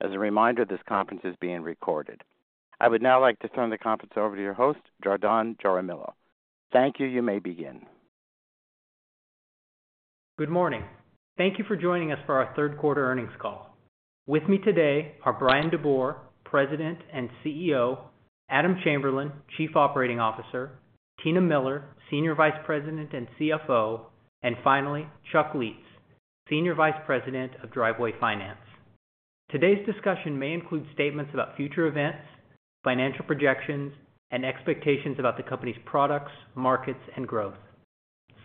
As a reminder, this conference is being recorded. I would now like to turn the conference over to your host, Jadon Jaramillo. Thank you. You may begin. Good morning. Thank you for joining us for our third quarter earnings call. With me today are Brian DeBoer, President and CEO, Adam Chamberlain, Chief Operating Officer, Tina Miller, Senior Vice President and CFO, and finally, Chuck Lietz, Senior Vice President of Driveway Finance. Today's discussion may include statements about future events, financial projections, and expectations about the company's products, markets, and growth.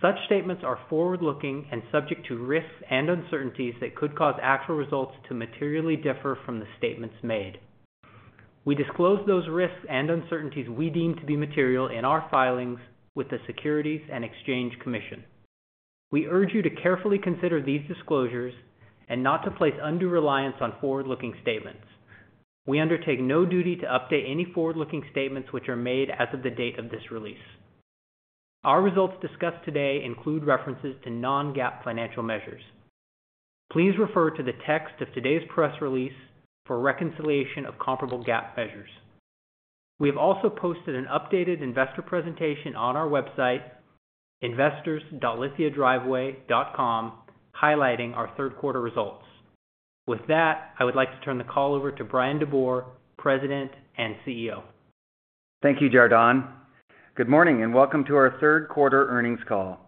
Such statements are forward-looking and subject to risks and uncertainties that could cause actual results to materially differ from the statements made. We disclose those risks and uncertainties we deem to be material in our filings with the Securities and Exchange Commission. We urge you to carefully consider these disclosures and not to place undue reliance on forward-looking statements. We undertake no duty to update any forward-looking statements which are made as of the date of this release. Our results discussed today include references to non-GAAP financial measures. Please refer to the text of today's press release for a reconciliation of comparable GAAP measures. We have also posted an updated investor presentation on our website, investors.lithiadriveway.com, highlighting our third quarter results. With that, I would like to turn the call over to Bryan DeBoer, President and CEO. Thank you, Jadon. Good morning, and welcome to our Q3 earnings call.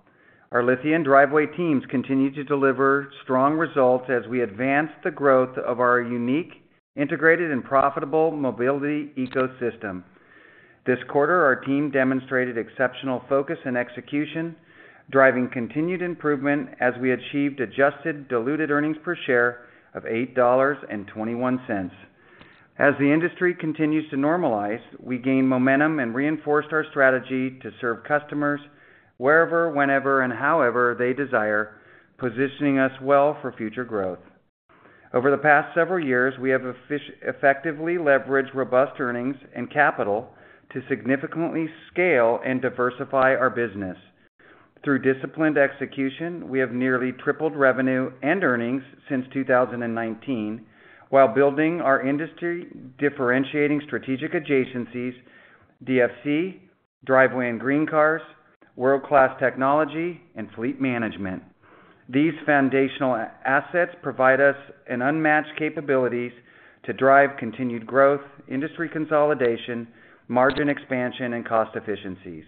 Our Lithia and Driveway teams continue to deliver strong results as we advance the growth of our unique, integrated, and profitable mobility ecosystem. This quarter, our team demonstrated exceptional focus and execution, driving continued improvement as we achieved adjusted diluted earnings per share of $8.21. As the industry continues to normalize, we gain momentum and reinforced our strategy to serve customers wherever, whenever, and however they desire, positioning us well for future growth. Over the past several years, we have effectively leveraged robust earnings and capital to significantly scale and diversify our business. Through disciplined execution, we have nearly tripled revenue and earnings since 2019, while building our industry, differentiating strategic adjacencies, DFC, Driveway and GreenCars, world-class technology, and fleet management. These foundational assets provide us an unmatched capabilities to drive continued growth, industry consolidation, margin expansion, and cost efficiencies.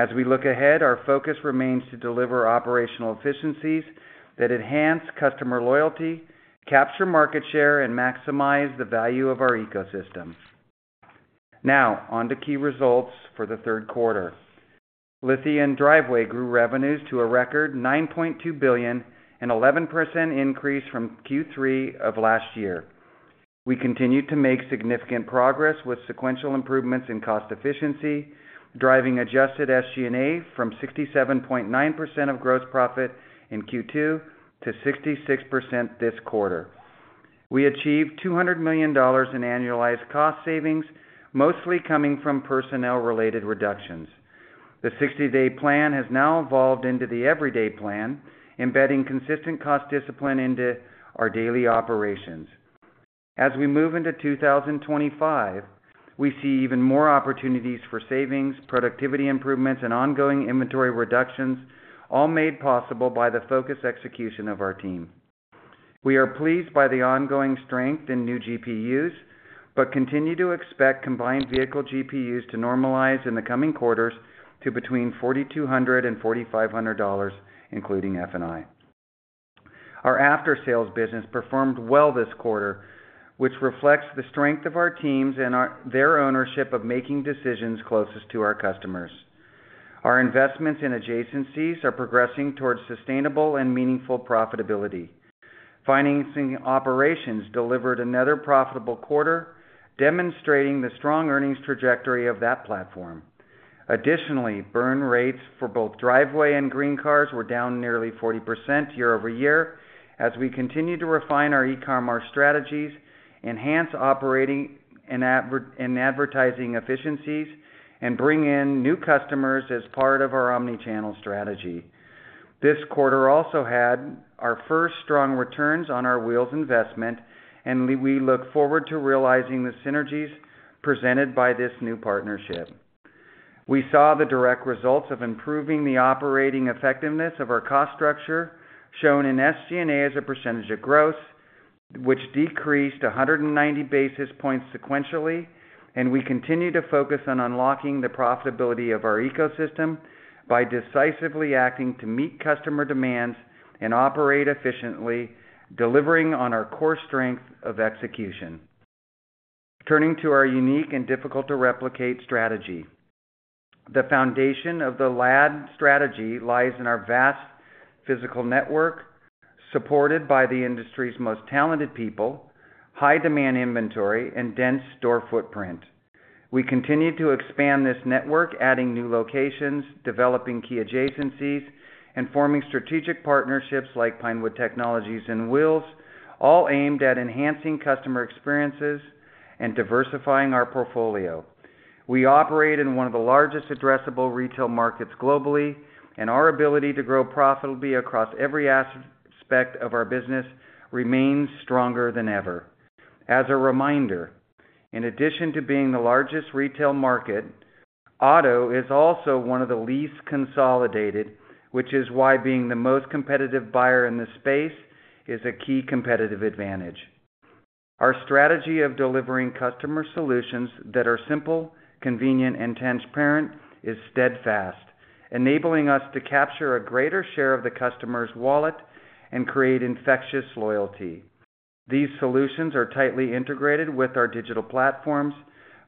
As we look ahead, our focus remains to deliver operational efficiencies that enhance customer loyalty, capture market share, and maximize the value of our ecosystem. Now, on to key results for the third quarter. Lithia & Driveway grew revenues to a record $9.2 billion, an 11% increase from Q3 of last year. We continued to make significant progress with sequential improvements in cost efficiency, driving adjusted SG&A from 67.9% of gross profit in Q2 to 66% this quarter. We achieved $200 million in annualized cost savings, mostly coming from personnel-related reductions. The sixty-day plan has now evolved into the everyday plan, embedding consistent cost discipline into our daily operations. As we move into two thousand and twenty-five, we see even more opportunities for savings, productivity improvements, and ongoing inventory reductions, all made possible by the focused execution of our team. We are pleased by the ongoing strength in new GPUs, but continue to expect combined vehicle GPUs to normalize in the coming quarters to between $4,200-$4,500, including F&I. Our after-sales business performed well this quarter, which reflects the strength of our teams and their ownership of making decisions closest to our customers. Our investments in adjacencies are progressing towards sustainable and meaningful profitability. Financing operations delivered another profitable quarter, demonstrating the strong earnings trajectory of that platform. Additionally, burn rates for both Driveway and GreenCars were down nearly 40% year over year, as we continue to refine our e-commerce strategies, enhance operating and advertising efficiencies, and bring in new customers as part of our omni-channel strategy. This quarter also had our first strong returns on our Wheels investment, and we look forward to realizing the synergies presented by this new partnership. We saw the direct results of improving the operating effectiveness of our cost structure, shown in SG&A as a percentage of growth, which decreased 190 basis points sequentially, and we continue to focus on unlocking the profitability of our ecosystem by decisively acting to meet customer demands and operate efficiently, delivering on our Core strength of execution. Turning to our unique and difficult-to-replicate strategy. The foundation of the LAD strategy lies in our vast physical network, supported by the industry's most talented people, high-demand inventory, and dense store footprint. We continue to expand this network, adding new locations, developing key adjacencies, and forming strategic partnerships like Pinewood Technologies and Wheels, all aimed at enhancing customer experiences and diversifying our portfolio.... We operate in one of the largest addressable retail markets globally, and our ability to grow profitably across every aspect of our business remains stronger than ever. As a reminder, in addition to being the largest retail market, auto is also one of the least consolidated, which is why being the most competitive buyer in this space is a key competitive advantage. Our strategy of delivering customer solutions that are simple, convenient, and transparent is steadfast, enabling us to capture a greater share of the customer's wallet and create infectious loyalty. These solutions are tightly integrated with our digital platforms,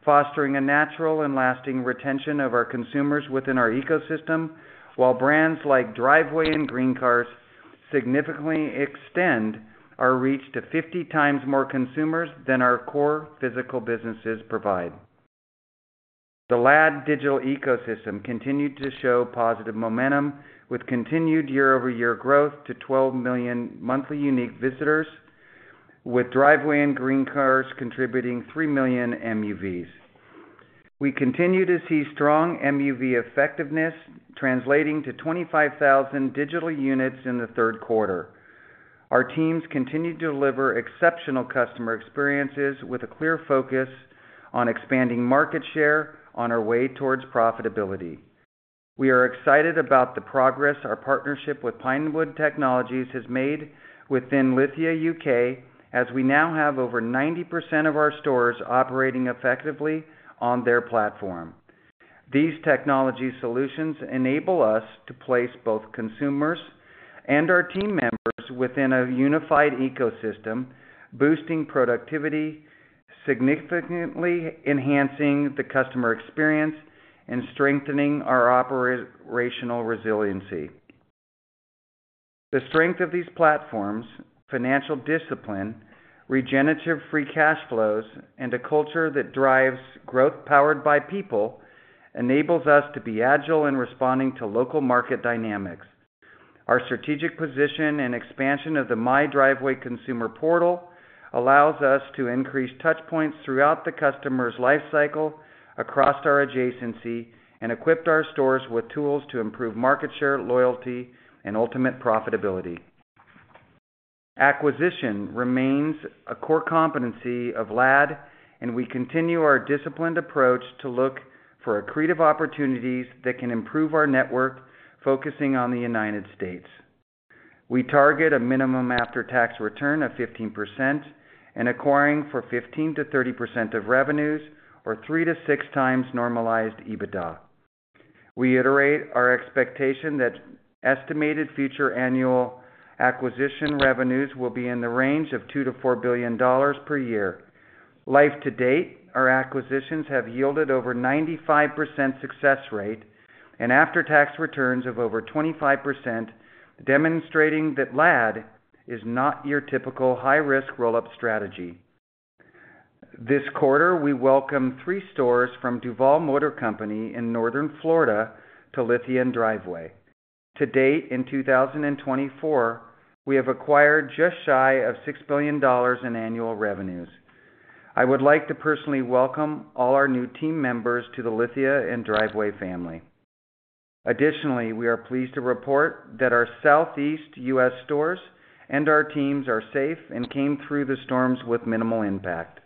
fostering a natural and lasting retention of our consumers within our ecosystem, while brands like Driveway and GreenCars significantly extend our reach to 50 times more consumers than our core physical businesses provide. The LAD digital ecosystem continued to show positive momentum, with continued year-over-year growth to 12 million monthly unique visitors, with Driveway and GreenCars contributing 3 million MUVs. We continue to see strong MUV effectiveness, translating to 25,000 digital units in the third quarter. Our teams continue to deliver exceptional customer experiences with a clear focus on expanding market share on our way towards profitability. We are excited about the progress our partnership with Pinewood Technologies has made within Lithia UK, as we now have over 90% of our stores operating effectively on their platform. These technology solutions enable us to place both consumers and our team members within a unified ecosystem, boosting productivity, significantly enhancing the customer experience, and strengthening our operational resiliency. The strength of these platforms, financial discipline, recurring free cash flows, and a culture that drives growth powered by people, enables us to be agile in responding to local market dynamics. Our strategic position and expansion of the MyDriveway consumer portal allows us to increase touch points throughout the customer's life cycle across our adjacencies, and equipped our stores with tools to improve market share, loyalty, and ultimate profitability. Acquisition remains a core competency of LAD, and we continue our disciplined approach to look for accretive opportunities that can improve our network, focusing on the United States. We target a minimum after-tax return of 15% and acquiring for 15%-30% of revenues or 3-6 times normalized EBITDA. We reiterate our expectation that estimated future annual acquisition revenues will be in the range of $2-4 billion per year. To date, our acquisitions have yielded over 95% success rate and after-tax returns of over 25%, demonstrating that LAD is not your typical high-risk roll-up strategy. This quarter, we welcome 3 stores from Duval Motor Company in Northern Florida to Lithia & Driveway. To date, in two thousand and twenty-four, we have acquired just shy of $6 billion in annual revenues. I would like to personally welcome all our new team members to the Lithia & Driveway family. Additionally, we are pleased to report that our Southeast US stores and our teams are safe and came through the storms with minimal impact.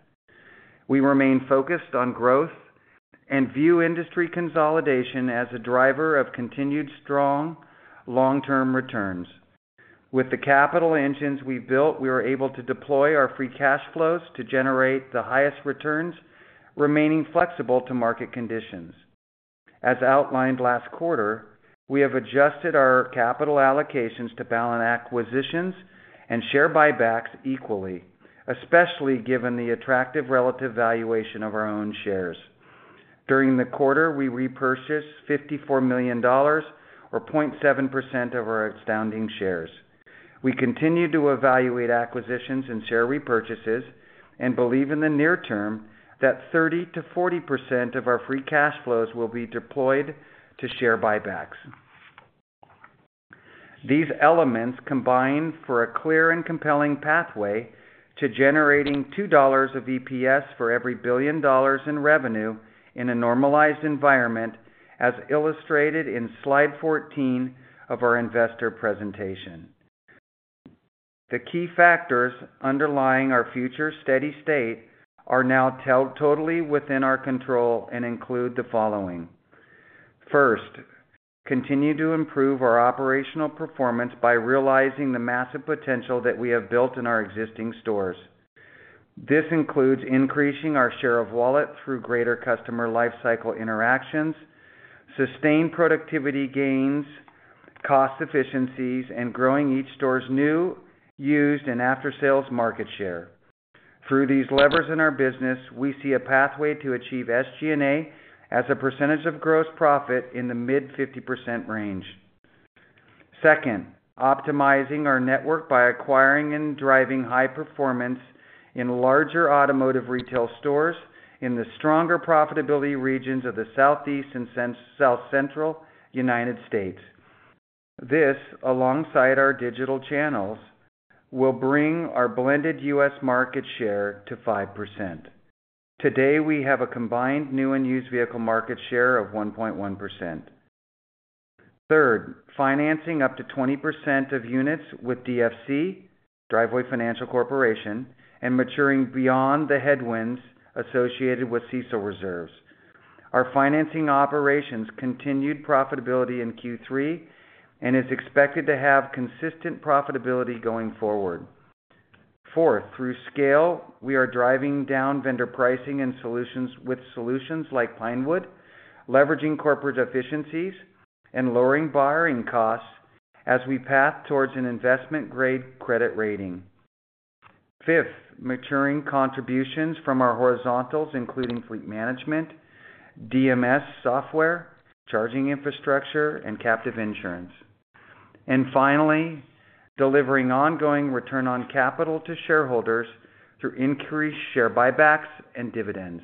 We remain focused on growth and view industry consolidation as a driver of continued strong long-term returns. With the capital engines we built, we were able to deploy our free cash flows to generate the highest returns, remaining flexible to market conditions. As outlined last quarter, we have adjusted our capital allocations to balance acquisitions and share buybacks equally, especially given the attractive relative valuation of our own shares. During the quarter, we repurchased $54 million, or 0.7% of our outstanding shares. We continue to evaluate acquisitions and share repurchases, and believe in the near term that 30%-40% of our free cash flows will be deployed to share buybacks. These elements combine for a clear and compelling pathway to generating $2 of EPS for every $1 billion in revenue in a normalized environment, as illustrated in slide 14 of our investor presentation. The key factors underlying our future steady state are now totally within our control and include the following: First, continue to improve our operational performance by realizing the massive potential that we have built in our existing stores. This includes increasing our share of wallet through greater customer life cycle interactions, sustained productivity gains, cost efficiencies, and growing each store's new, used, and after-sales market share. Through these levers in our business, we see a pathway to achieve SG&A as a percentage of gross profit in the mid-50% range. Second, optimizing our network by acquiring and driving high performance in larger automotive retail stores in the stronger profitability regions of the Southeast and South Central United States. This, alongside our digital channels, will bring our blended US market share to 5%. Today, we have a combined new and used vehicle market share of 1.1%. Third, financing up to 20% of units with DFC, Driveway Finance Corporation, and maturing beyond the headwinds associated with CECL reserves. Our financing operations continued profitability in Q3 and is expected to have consistent profitability going forward. Fourth, through scale, we are driving down vendor pricing and solutions with solutions like Pinewood, leveraging corporate efficiencies, and lowering borrowing costs as we path towards an investment-grade credit rating. Fifth, maturing contributions from our horizontals, including fleet management, DMS software, charging infrastructure, and captive insurance. Finally, delivering ongoing return on capital to shareholders through increased share buybacks and dividends.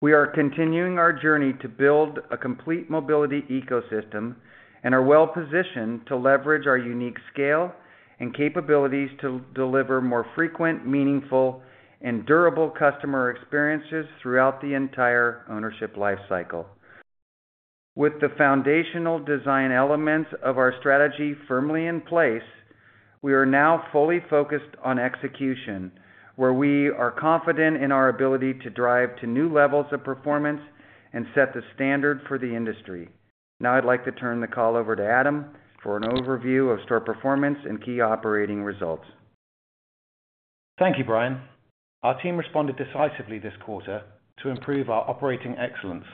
We are continuing our journey to build a complete mobility ecosystem and are well-positioned to leverage our unique scale and capabilities to deliver more frequent, meaningful, and durable customer experiences throughout the entire ownership life cycle. With the foundational design elements of our strategy firmly in place, we are now fully focused on execution, where we are confident in our ability to drive to new levels of performance and set the standard for the industry. Now I'd like to turn the call over to Adam for an overview of store performance and key operating results. Thank you, Brian. Our team responded decisively this quarter to improve our operating excellence,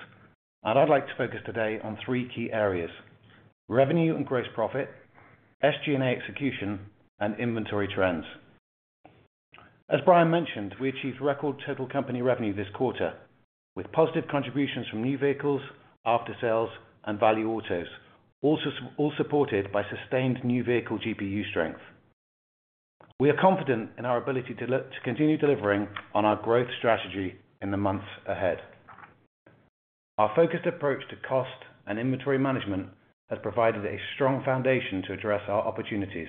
and I'd like to focus today on three key areas: revenue and gross profit, SG&A execution, and inventory trends. As Brian mentioned, we achieved record total company revenue this quarter, with positive contributions from new vehicles, after sales, and Value Autos, also all supported by sustained new vehicle GPU strength. We are confident in our ability to continue delivering on our growth strategy in the months ahead. Our focused approach to cost and inventory management has provided a strong foundation to address our opportunities,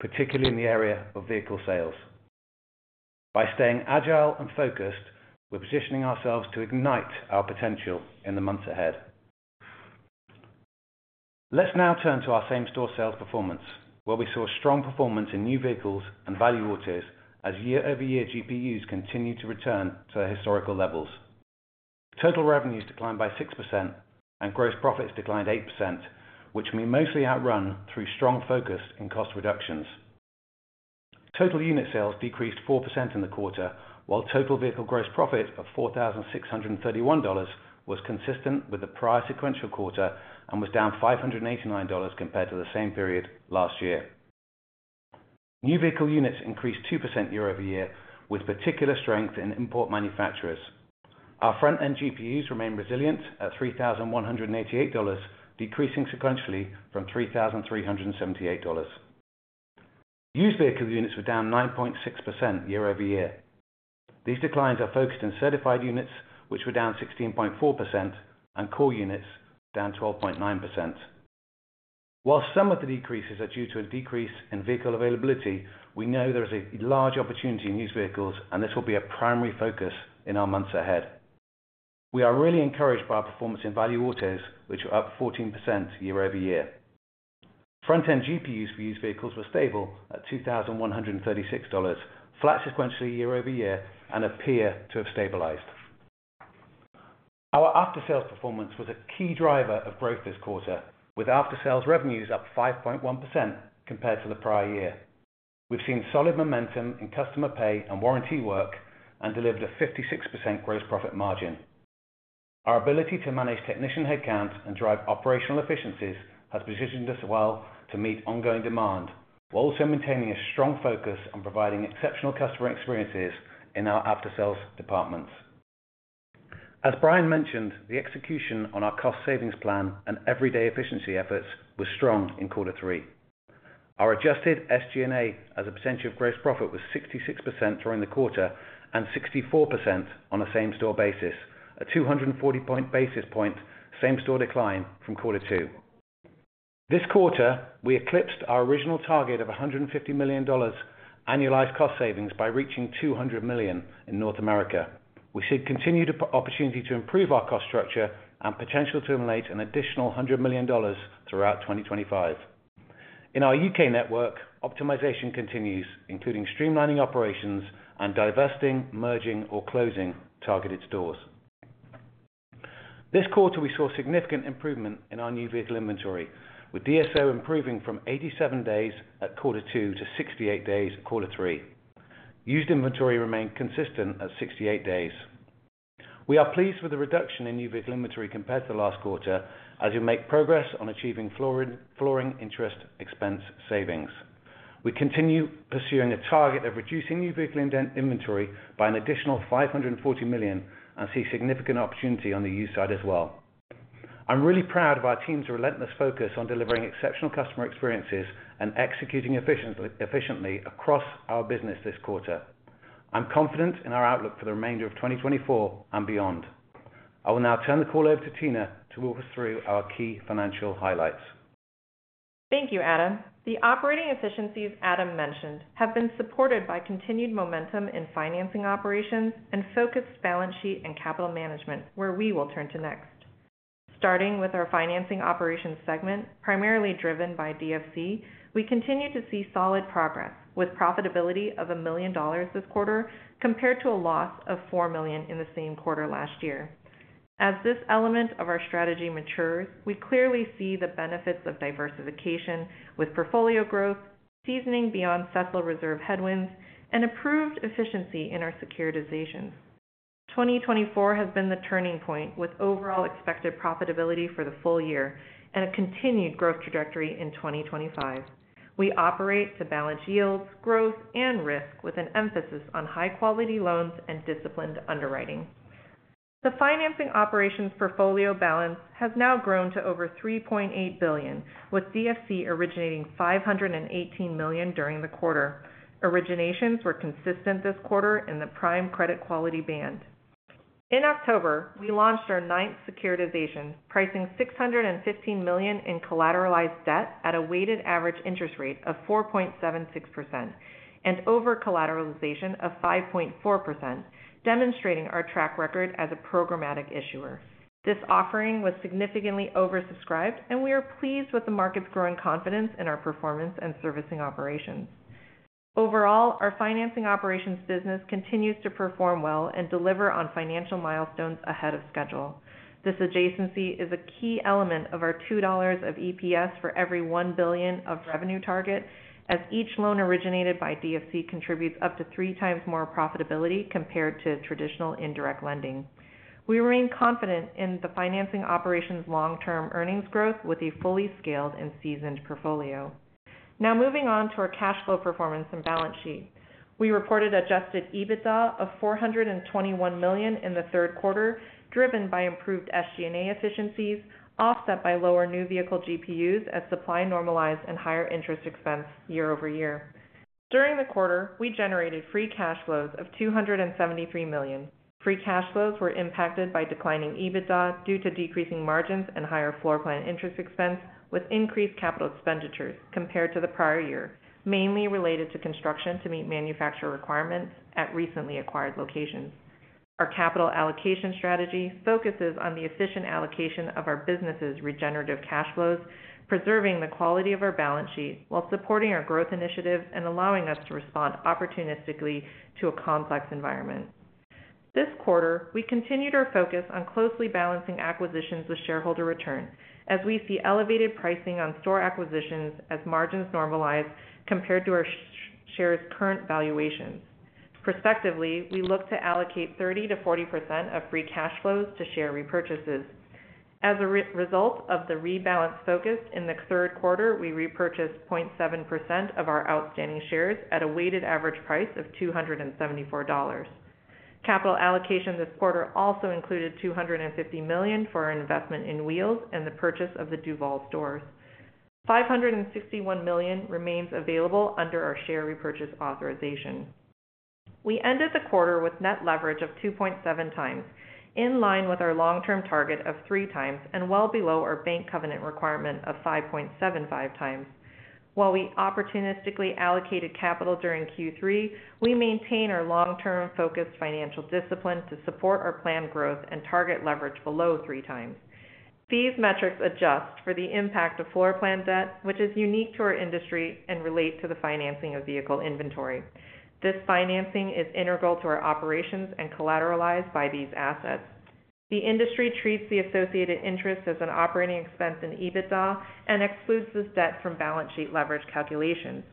particularly in the area of vehicle sales. By staying agile and focused, we're positioning ourselves to ignite our potential in the months ahead. Let's now turn to our same-store sales performance, where we saw strong performance in new vehicles and value autos as year-over-year GPUs continued to return to their historical levels. Total revenues declined by 6% and gross profits declined 8%, which we mostly outrun through strong focus in cost reductions. Total unit sales decreased 4% in the quarter, while total vehicle gross profit of $4,631 was consistent with the prior sequential quarter and was down $589 compared to the same period last year. New vehicle units increased 2% year over year, with particular strength in import manufacturers. Our front-end GPUs remained resilient at $3,188, decreasing sequentially from $3,378. Used vehicle units were down 9.6% year over year. These declines are focused in Certified units, which were down 16.4%, and core units, down 12.9%. While some of the decreases are due to a decrease in vehicle availability, we know there is a large opportunity in these vehicles, and this will be a primary focus in our months ahead. We are really encouraged by our performance in Value Autos, which are up 14% year over year. Front-end GPUs for used vehicles were stable at $2,136, flat sequentially year over year, and appear to have stabilized. Our after-sales performance was a key driver of growth this quarter, with after-sales revenues up 5.1% compared to the prior year. We've seen solid momentum in customer pay and warranty work and delivered a 56% gross profit margin. Our ability to manage technician headcount and drive operational efficiencies has positioned us well to meet ongoing demand, while also maintaining a strong focus on providing exceptional customer experiences in our after-sales departments. As Brian mentioned, the execution on our cost savings plan and everyday efficiency efforts was strong in quarter three. Our adjusted SG&A, as a percentage of gross profit, was 66% during the quarter and 64% on a same-store basis, a 240-point basis-point same-store decline from quarter two. This quarter, we eclipsed our original target of $100 million annualized cost savings by reaching $200 million in North America. We see continued opportunity to improve our cost structure and potential to emulate an additional $100 million throughout 2025. In our U.K. network, optimization continues, including streamlining operations and divesting, merging, or closing targeted stores. This quarter, we saw significant improvement in our new vehicle inventory, with DSO improving from 87 days at quarter two to 68 days at quarter three. Used inventory remained consistent at 68 days. We are pleased with the reduction in new vehicle inventory compared to last quarter, as we make progress on achieving floor plan interest expense savings. We continue pursuing a target of reducing new vehicle inventory by an additional $540 million and see significant opportunity on the used side as well. I'm really proud of our team's relentless focus on delivering exceptional customer experiences and executing efficiently across our business this quarter. I'm confident in our outlook for the remainder of 2024 and beyond. I will now turn the call over to Tina to walk us through our key financial highlights. Thank you, Adam. The operating efficiencies Adam mentioned have been supported by continued momentum in financing operations and focused balance sheet and capital management, where we will turn to next. Starting with our financing operations segment, primarily driven by DFC, we continue to see solid progress, with profitability of $1 million this quarter, compared to a loss of $4 million in the same quarter last year. As this element of our strategy matures, we clearly see the benefits of diversification with portfolio growth, seasoning beyond CECL reserve headwinds, and improved efficiency in our securitizations. 2024 has been the turning point, with overall expected profitability for the full year and a continued growth trajectory in 2025. We operate to balance yields, growth, and risk with an emphasis on high-quality loans and disciplined underwriting. The financing operations portfolio balance has now grown to over $3.8 billion, with DFC originating $518 million during the quarter. Originations were consistent this quarter in the prime credit quality band. In October, we launched our ninth securitization, pricing $615 million in collateralized debt at a weighted average interest rate of 4.76% and over-collateralization of 5.4%, demonstrating our track record as a programmatic issuer. This offering was significantly oversubscribed, and we are pleased with the market's growing confidence in our performance and servicing operations. Overall, our financing operations business continues to perform well and deliver on financial milestones ahead of schedule. This adjacency is a key element of our $2 of EPS for every $1 billion of revenue target, as each loan originated by DFC contributes up to three times more profitability compared to traditional indirect lending. We remain confident in the financing operations' long-term earnings growth with a fully scaled and seasoned portfolio. Now moving on to our cash flow performance and balance sheet. We reported adjusted EBITDA of $421 million in the third quarter, driven by improved SG&A efficiencies, offset by lower new vehicle GPUs as supply normalized and higher interest expense year over year. During the quarter, we generated free cash flows of $273 million. Free cash flows were impacted by declining EBITDA due to decreasing margins and higher floor plan interest expense, with increased capital expenditures compared to the prior year, mainly related to construction to meet manufacturer requirements at recently acquired locations. Our capital allocation strategy focuses on the efficient allocation of our business's regenerative cash flows, preserving the quality of our balance sheet while supporting our growth initiatives and allowing us to respond opportunistically to a complex environment. This quarter, we continued our focus on closely balancing acquisitions with shareholder return, as we see elevated pricing on store acquisitions as margins normalize compared to our shares' current valuations. Prospectively, we look to allocate 30%-40% of free cash flows to share repurchases. As a result of the rebalance focus in the third quarter, we repurchased 0.7% of our outstanding shares at a weighted average price of $274. Capital allocation this quarter also included $250 million for our investment in Wheels and the purchase of the Duval stores. $561 million remains available under our share repurchase authorization. We ended the quarter with net leverage of 2.7 times, in line with our long-term target of three times and well below our bank covenant requirement of 5.75 times. While we opportunistically allocated capital during Q3, we maintain our long-term focused financial discipline to support our planned growth and target leverage below three times. These metrics adjust for the impact of floor plan debt, which is unique to our industry and relate to the financing of vehicle inventory. This financing is integral to our operations and collateralized by these assets. The industry treats the associated interest as an operating expense in EBITDA and excludes this debt from balance sheet leverage calculations.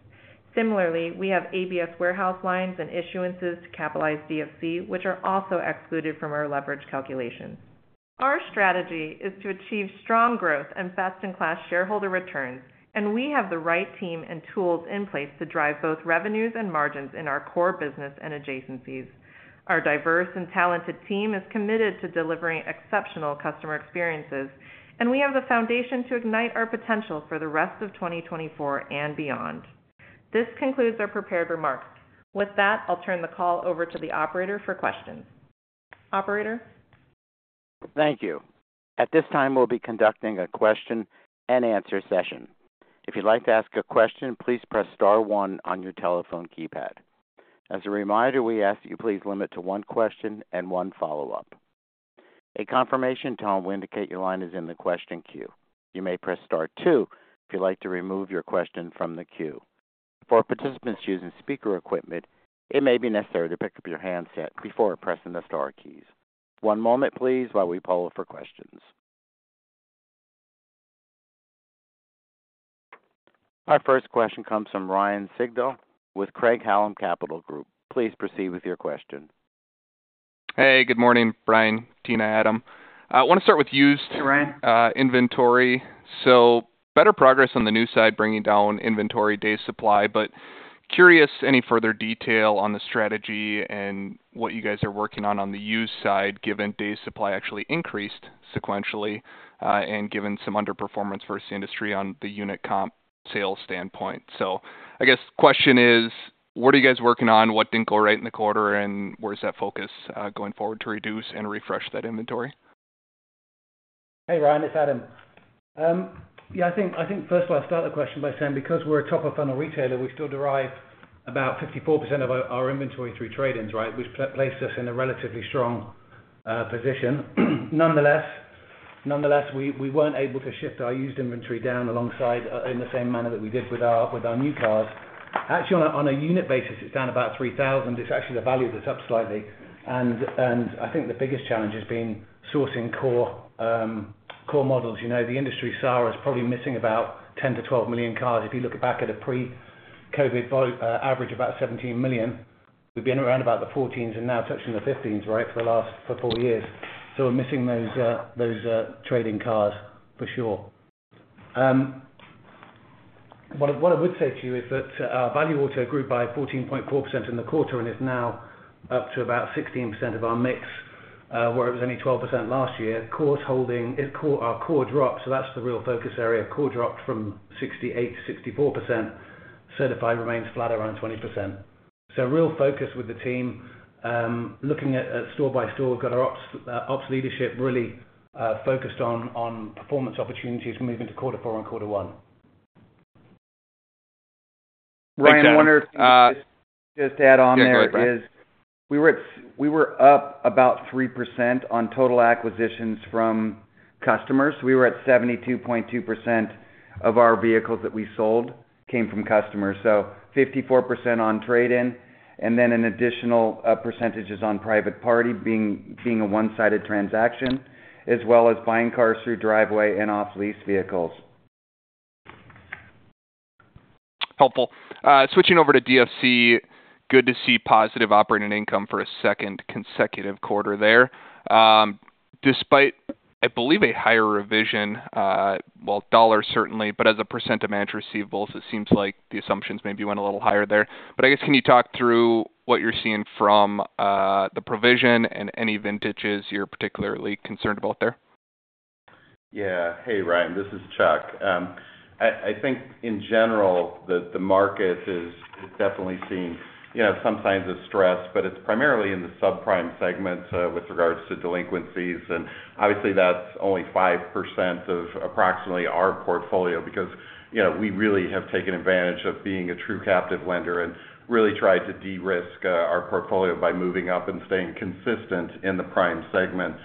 Similarly, we have ABS warehouse lines and issuances to capitalize DFC, which are also excluded from our leverage calculations. Our strategy is to achieve strong growth and best-in-class shareholder returns, and we have the right team and tools in place to drive both revenues and margins in our core business and adjacencies. Our diverse and talented team is committed to delivering exceptional customer experiences, and we have the foundation to ignite our potential for the rest of twenty twenty-four and beyond. This concludes our prepared remarks. With that, I'll turn the call over to the operator for questions. Operator? Thank you. At this time, we'll be conducting a question-and-answer session. If you'd like to ask a question, please press star one on your telephone keypad. As a reminder, we ask that you please limit to one question and one follow-up. A confirmation tone will indicate your line is in the question queue. You may press star two if you'd like to remove your question from the queue. For participants using speaker equipment, it may be necessary to pick up your handset before pressing the star keys. One moment, please, while we poll for questions. Our first question comes from Ryan Sigdahl with Craig-Hallum Capital Group. Please proceed with your question. Hey, good morning, Brian, Tina, Adam. I want to start with used- Hey, Ryan Inventory. So better progress on the new side, bringing down inventory day supply. But curious, any further detail on the strategy and what you guys are working on on the used side, given day supply actually increased sequentially, and given some underperformance versus industry on the unit comp sales standpoint. So I guess the question is, what are you guys working on? What didn't go right in the quarter, and where is that focus going forward to reduce and refresh that inventory? Hey, Ryan, it's Adam. Yeah, I think first of all, I'll start the question by saying, because we're a top-of-funnel retailer, we still derive about 54% of our inventory through trade-ins, right? Which places us in a relatively strong position. Nonetheless, we weren't able to shift our used inventory down alongside in the same manner that we did with our new cars. Actually, on a unit basis, it's down about 3,000. It's actually the value that's up slightly. And I think the biggest challenge has been sourcing core models. You know, the industry SAR is probably missing about 10 to 12 million cars. If you look back at a pre-COVID volume average, about 17 million, we've been around about the 14s and now touching the 15s, right, for the last four years. So we're missing those trade-in cars, for sure. What I would say to you is that Value Auto grew by 14.4% in the quarter and is now up to about 16% of our mix, where it was only 12% last year. Core holding, our core dropped, so that's the real focus area. Core dropped from 68% to 64%. Certified remains flat, around 20%. So real focus with the team, looking at store by store. We've got our ops leadership really focused on performance opportunities moving to quarter four and quarter one. Ryan, I wonder if I could just, just add on there is- Yeah, go ahead, Brian. We were up about 3% on total acquisitions from customers. We were at 72.2% of our vehicles that we sold came from customers, so 54% on trade-in, and then an additional percentage is on private party, being a one-sided transaction, as well as buying cars through Driveway and off lease vehicles. Helpful. Switching over to DFC, good to see positive operating income for a second consecutive quarter there. Despite, I believe, a higher revision, well, dollars certainly, but as a % of managed receivables, it seems like the assumptions maybe went a little higher there. But I guess, can you talk through what you're seeing from the provision and any vintages you're particularly concerned about there? Yeah. Hey, Ryan, this is Chuck. I think in general, the market is definitely seeing, you know, some signs of stress, but it's primarily in the subprime segments with regards to delinquencies. And obviously, that's only 5% of approximately our portfolio because, you know, we really have taken advantage of being a true captive lender and really tried to de-risk our portfolio by moving up and staying consistent in the prime segment.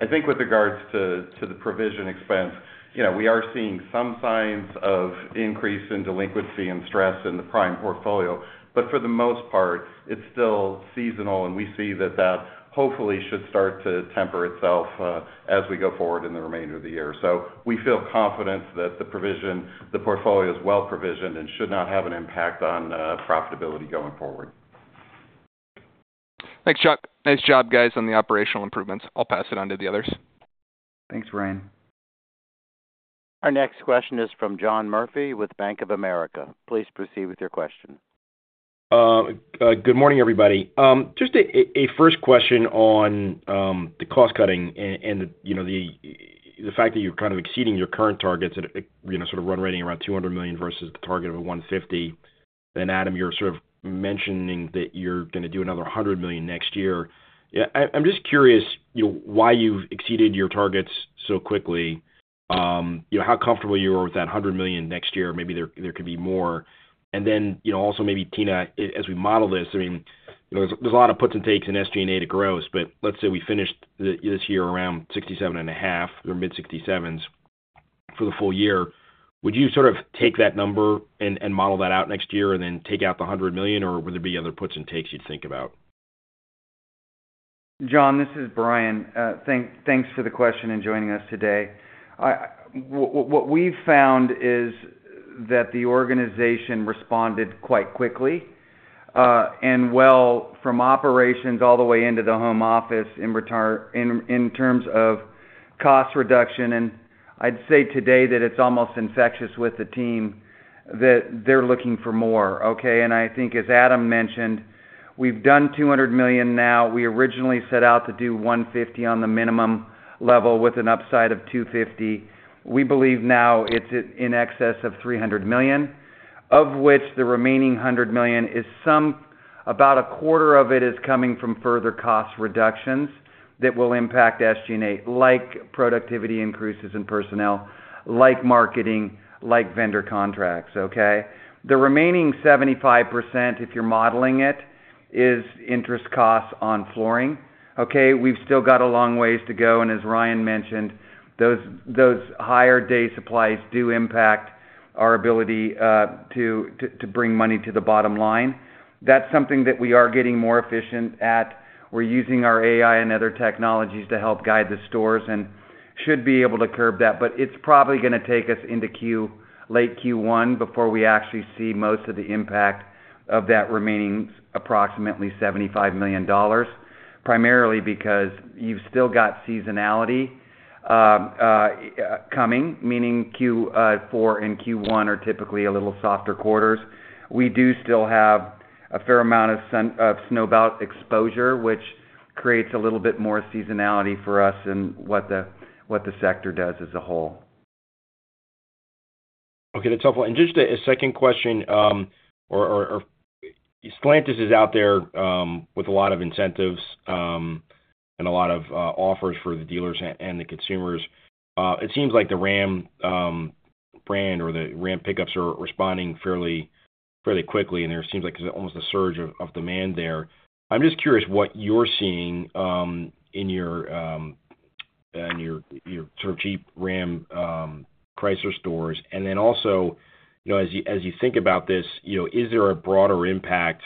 I think with regards to the provision expense, you know, we are seeing some signs of increase in delinquency and stress in the prime portfolio, but for the most part, it's still seasonal, and we see that hopefully should start to temper itself as we go forward in the remainder of the year. So we feel confident that the provision, the portfolio is well provisioned and should not have an impact on profitability going forward. Thanks, Chuck. Nice job, guys, on the operational improvements. I'll pass it on to the others. Thanks, Ryan. Our next question is from John Murphy with Bank of America. Please proceed with your question. Good morning, everybody. Just a first question on the cost-cutting and, you know, the fact that you're kind of exceeding your current targets and, you know, sort of run-rate around $200 million versus the target of $150 million. Then Adam, you're sort of mentioning that you're going to do another $100 million next year. Yeah, I'm just curious, you know, why you've exceeded your targets so quickly? You know, how comfortable you are with that $100 million next year, maybe there could be more. And then, you know, also maybe Tina, as we model this, I mean, there's a lot of puts and takes in SG&A to gross, but let's say we finished this year around 67.5 or mid-67s for the full year. Would you sort of take that number and, and model that out next year and then take out the $100 million, or would there be other puts and takes you'd think about? John, this is Brian. Thanks for the question and joining us today. What we've found is that the organization responded quite quickly and well from operations all the way into the home office in terms of cost reduction. And I'd say today that it's almost infectious with the team, that they're looking for more, okay? And I think, as Adam mentioned, we've done $200 million now. We originally set out to do $150 million on the minimum level with an upside of $250 million. We believe now it's in excess of $300 million, of which the remaining $100 million is some. About a quarter of it is coming from further cost reductions that will impact SG&A, like productivity increases in personnel, like marketing, like vendor contracts, okay? The remaining 75%, if you're modeling it, is interest costs on floor plan. Okay, we've still got a long ways to go, and as Ryan mentioned, those, those higher day supplies do impact our ability to bring money to the bottom line. That's something that we are getting more efficient at. We're using our AI and other technologies to help guide the stores and should be able to curb that. But it's probably going to take us into late Q1 before we actually see most of the impact of that remaining approximately $75 million, primarily because you've still got seasonality coming, meaning Q4 and Q1 are typically a little softer quarters. We do still have a fair amount of Snowbelt exposure, which creates a little bit more seasonality for us in what the sector does as a whole. Okay, that's helpful. Just a second question, or Stellantis is out there with a lot of incentives and a lot of offers for the dealers and the consumers. It seems like the Ram brand or the Ram pickups are responding fairly quickly, and there seems like there's almost a surge of demand there. I'm just curious what you're seeing in your sort of Jeep, Ram, Chrysler stores. Then also, you know, as you think about this, you know, is there a broader impact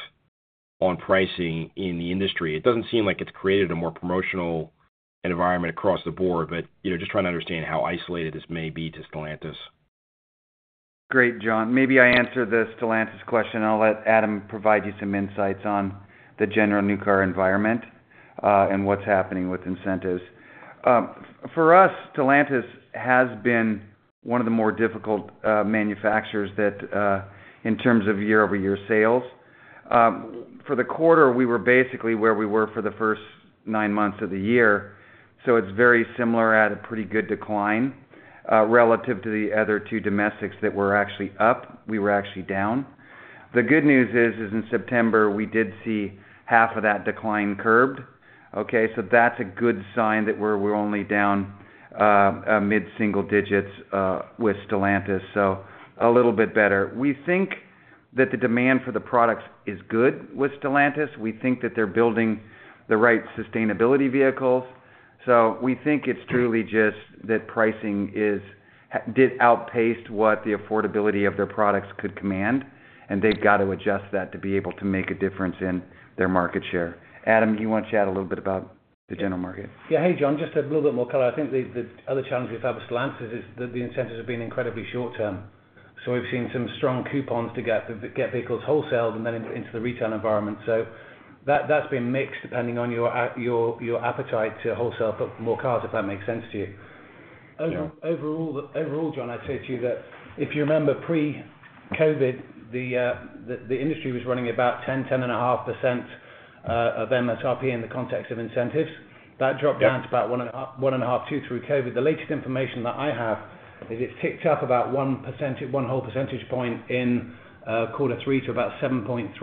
on pricing in the industry? It doesn't seem like it's created a more promotional environment across the board, but you know, just trying to understand how isolated this may be to Stellantis. Great, John. Maybe I answer the Stellantis question, and I'll let Adam provide you some insights on the general new car environment, and what's happening with incentives. For us, Stellantis has been one of the more difficult manufacturers that, in terms of year-over-year sales. For the quarter, we were basically where we were for the first nine months of the year, so it's very similar at a pretty good decline. Relative to the other two domestics that were actually up, we were actually down. The good news is in September, we did see half of that decline curbed, okay? So that's a good sign that we're only down, a mid-single digits, with Stellantis, so a little bit better. We think that the demand for the products is good with Stellantis. We think that they're building the right sustainability vehicles. So we think it's truly just that pricing has outpaced what the affordability of their products could command, and they've got to adjust that to be able to make a difference in their market share. Adam, do you want to chat a little bit about the general market? Yeah. Hey, John, just a little bit more color. I think the other challenge we've had with Stellantis is that the incentives have been incredibly short term. So we've seen some strong coupons to get vehicles wholesaled and then into the retail environment. So that's been mixed, depending on your appetite to wholesale more cars, if that makes sense to you. Yeah. Overall, John, I'd say to you that if you remember pre-COVID, the industry was running about 10-10.5% of MSRP in the context of incentives. Yeah. That dropped down to about one and a half to two through COVID. The latest information that I have is it ticked up about one whole percentage point in quarter three to about 7.3%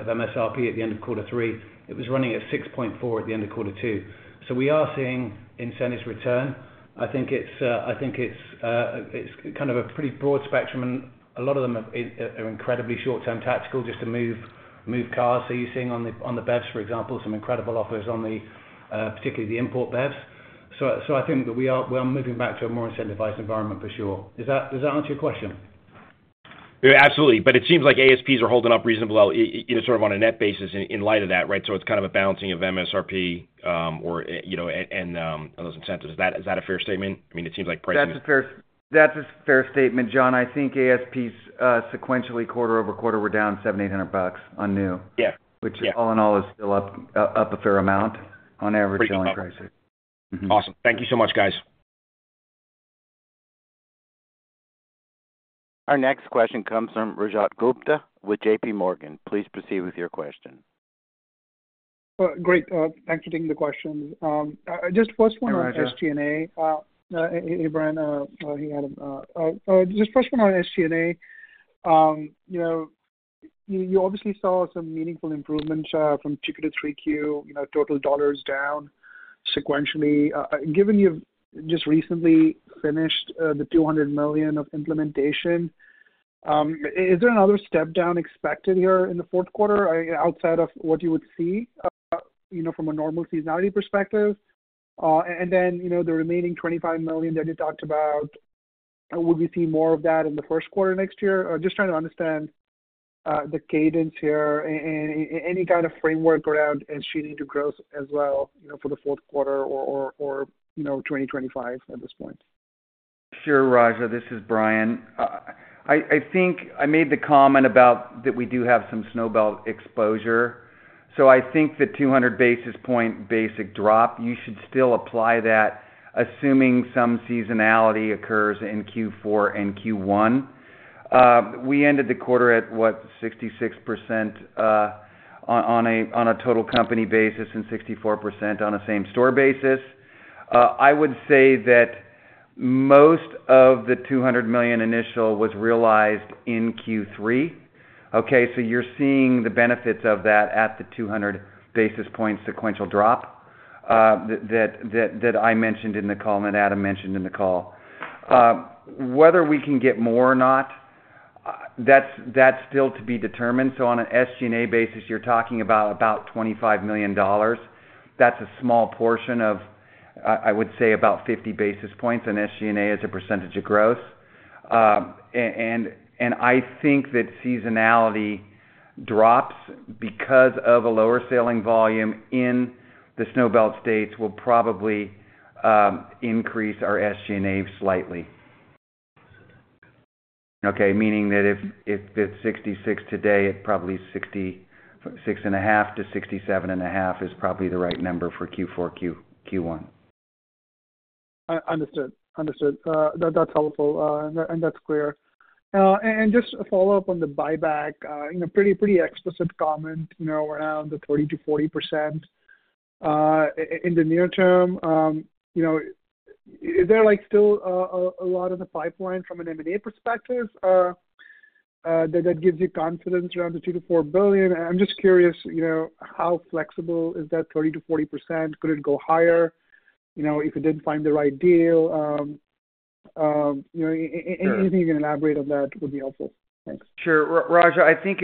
of MSRP at the end of quarter three. It was running at 6.4% at the end of quarter two. So we are seeing incentives return. I think it's kind of a pretty broad spectrum, and a lot of them are incredibly short-term tactical just to move cars. So you're seeing on the BEVs, for example, some incredible offers on the particularly the import BEVs. So I think that we are moving back to a more incentivized environment for sure. Does that answer your question? Yeah, absolutely. But it seems like ASPs are holding up reasonably well, you know, sort of on a net basis in light of that, right? So it's kind of a balancing of MSRP, or you know, and those incentives. Is that a fair statement? I mean, it seems like pricing- That's a fair, that's a fair statement, John. I think ASPs sequentially, quarter-over-quarter, we're down $700-$800 on new. Yeah. Yeah. Which, all in all, is still up a fair amount on average selling prices. Mm-hmm. Awesome. Thank you so much, guys. Our next question comes from Rajat Gupta with JP Morgan. Please proceed with your question. Great. Thanks for taking the question. Just first one on SG&A. Hi, Rajat. Hey, Brian. Hey, Adam. Just first one on SG&A. You know, you obviously saw some meaningful improvement from 2Q to 3Q, you know, total dollars down sequentially. Given you've just recently finished the $200 million of implementation, is there another step down expected here in the fourth quarter outside of what you would see, you know, from a normal seasonality perspective? And then, you know, the remaining $25 million that you talked about, would we see more of that in the first quarter next year? Just trying to understand the cadence here, any kind of framework around and shooting to growth as well, you know, for the fourth quarter or, you know, 2025, at this point. Sure, Rajat, this is Brian. I think I made the comment about that we do have some Snowbelt exposure. So I think the 200 basis-point drop, you should still apply that, assuming some seasonality occurs in Q4 and Q1. We ended the quarter at, what? 66%, on a total company basis and 64% on a same-store basis. I would say that most of the $200 million initial was realized in Q3, okay? So you're seeing the benefits of that at the 200 basis-points sequential drop, that I mentioned in the call, and Adam mentioned in the call. Whether we can get more or not, that's still to be determined. So on an SG&A basis, you're talking about $25 million. That's a small portion of about 50 basis-points, and SG&A is a percentage of growth. And I think that seasonality drops because of a lower selling volume in the Snowbelt states will probably increase our SG&A slightly. Meaning that if it's 66 today, it's probably 66.5-67.5 is probably the right number for Q4, Q1. Understood. That's helpful, and that's clear. And just a follow-up on the buyback, you know, pretty explicit comment, you know, around the 30%-40% in the near term. You know, is there, like, still a lot in the pipeline from an M&A perspective that gives you confidence around the $2 billion-4 billion? I'm just curious, you know, how flexible is that 30%-40%? Could it go higher, you know, if you didn't find the right deal, you know, anything- Sure You can elaborate on that would be helpful. Thanks. Sure. Rajat, I think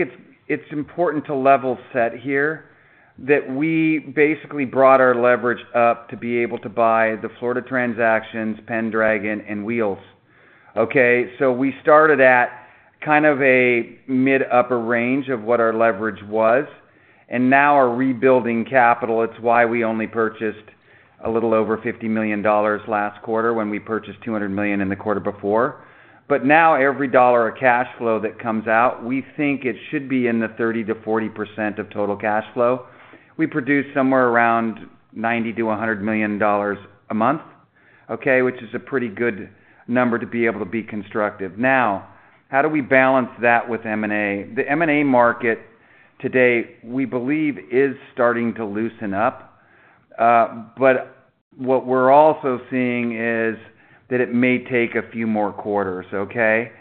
it's important to level set here, that we basically brought our leverage up to be able to buy the Florida transactions, Pendragon and Wheels, okay? So we started at kind of a mid-upper range of what our leverage was, and now we're rebuilding capital. It's why we only purchased a little over $50 million last quarter when we purchased $200 million in the quarter before. But now, every dollar of cash flow that comes out, we think it should be in the 30%-40% of total cash flow. We produce somewhere around $90-$100 million a month, okay? Which is a pretty good number to be able to be constructive. Now, how do we balance that with M&A? The M&A market today, we believe, is starting to loosen up. But what we're also seeing is that it may take a few more quarters, okay?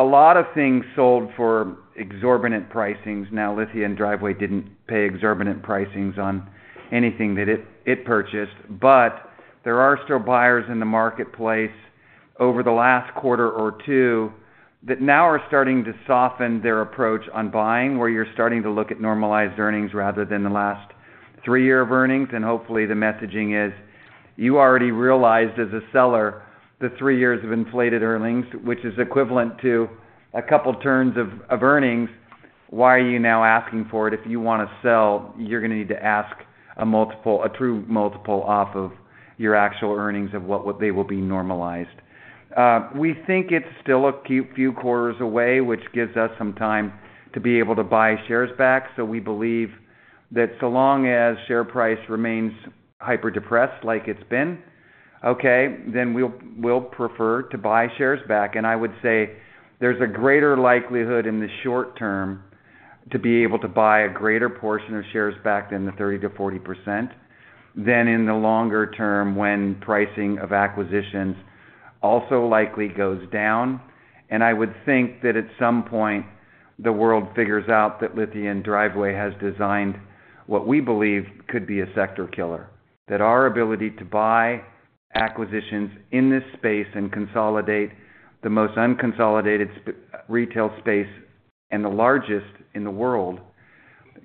A lot of things sold for exorbitant pricings. Now, Lithia & Driveway didn't pay exorbitant pricings on anything that it purchased, but there are still buyers in the marketplace over the last quarter or two that now are starting to soften their approach on buying, where you're starting to look at normalized earnings rather than the last three years of earnings. And hopefully, the messaging is: you already realized, as a seller, the three years of inflated earnings, which is equivalent to a couple turns of earnings. Why are you now asking for it? If you wanna sell, you're gonna need to ask a multiple, a true multiple off of your actual earnings of what they will be normalized. We think it's still a few quarters away, which gives us some time to be able to buy shares back. So we believe that so long as share price remains hyper-depressed, like it's been, okay, then we'll prefer to buy shares back. And I would say, there's a greater likelihood in the short term to be able to buy a greater portion of shares back than the 30%-40%, than in the longer term, when pricing of acquisitions also likely goes down. And I would think that at some point, the world figures out that Lithia & Driveway has designed what we believe could be a sector killer. That our ability to buy acquisitions in this space and consolidate the most unconsolidated space, retail space, and the largest in the world,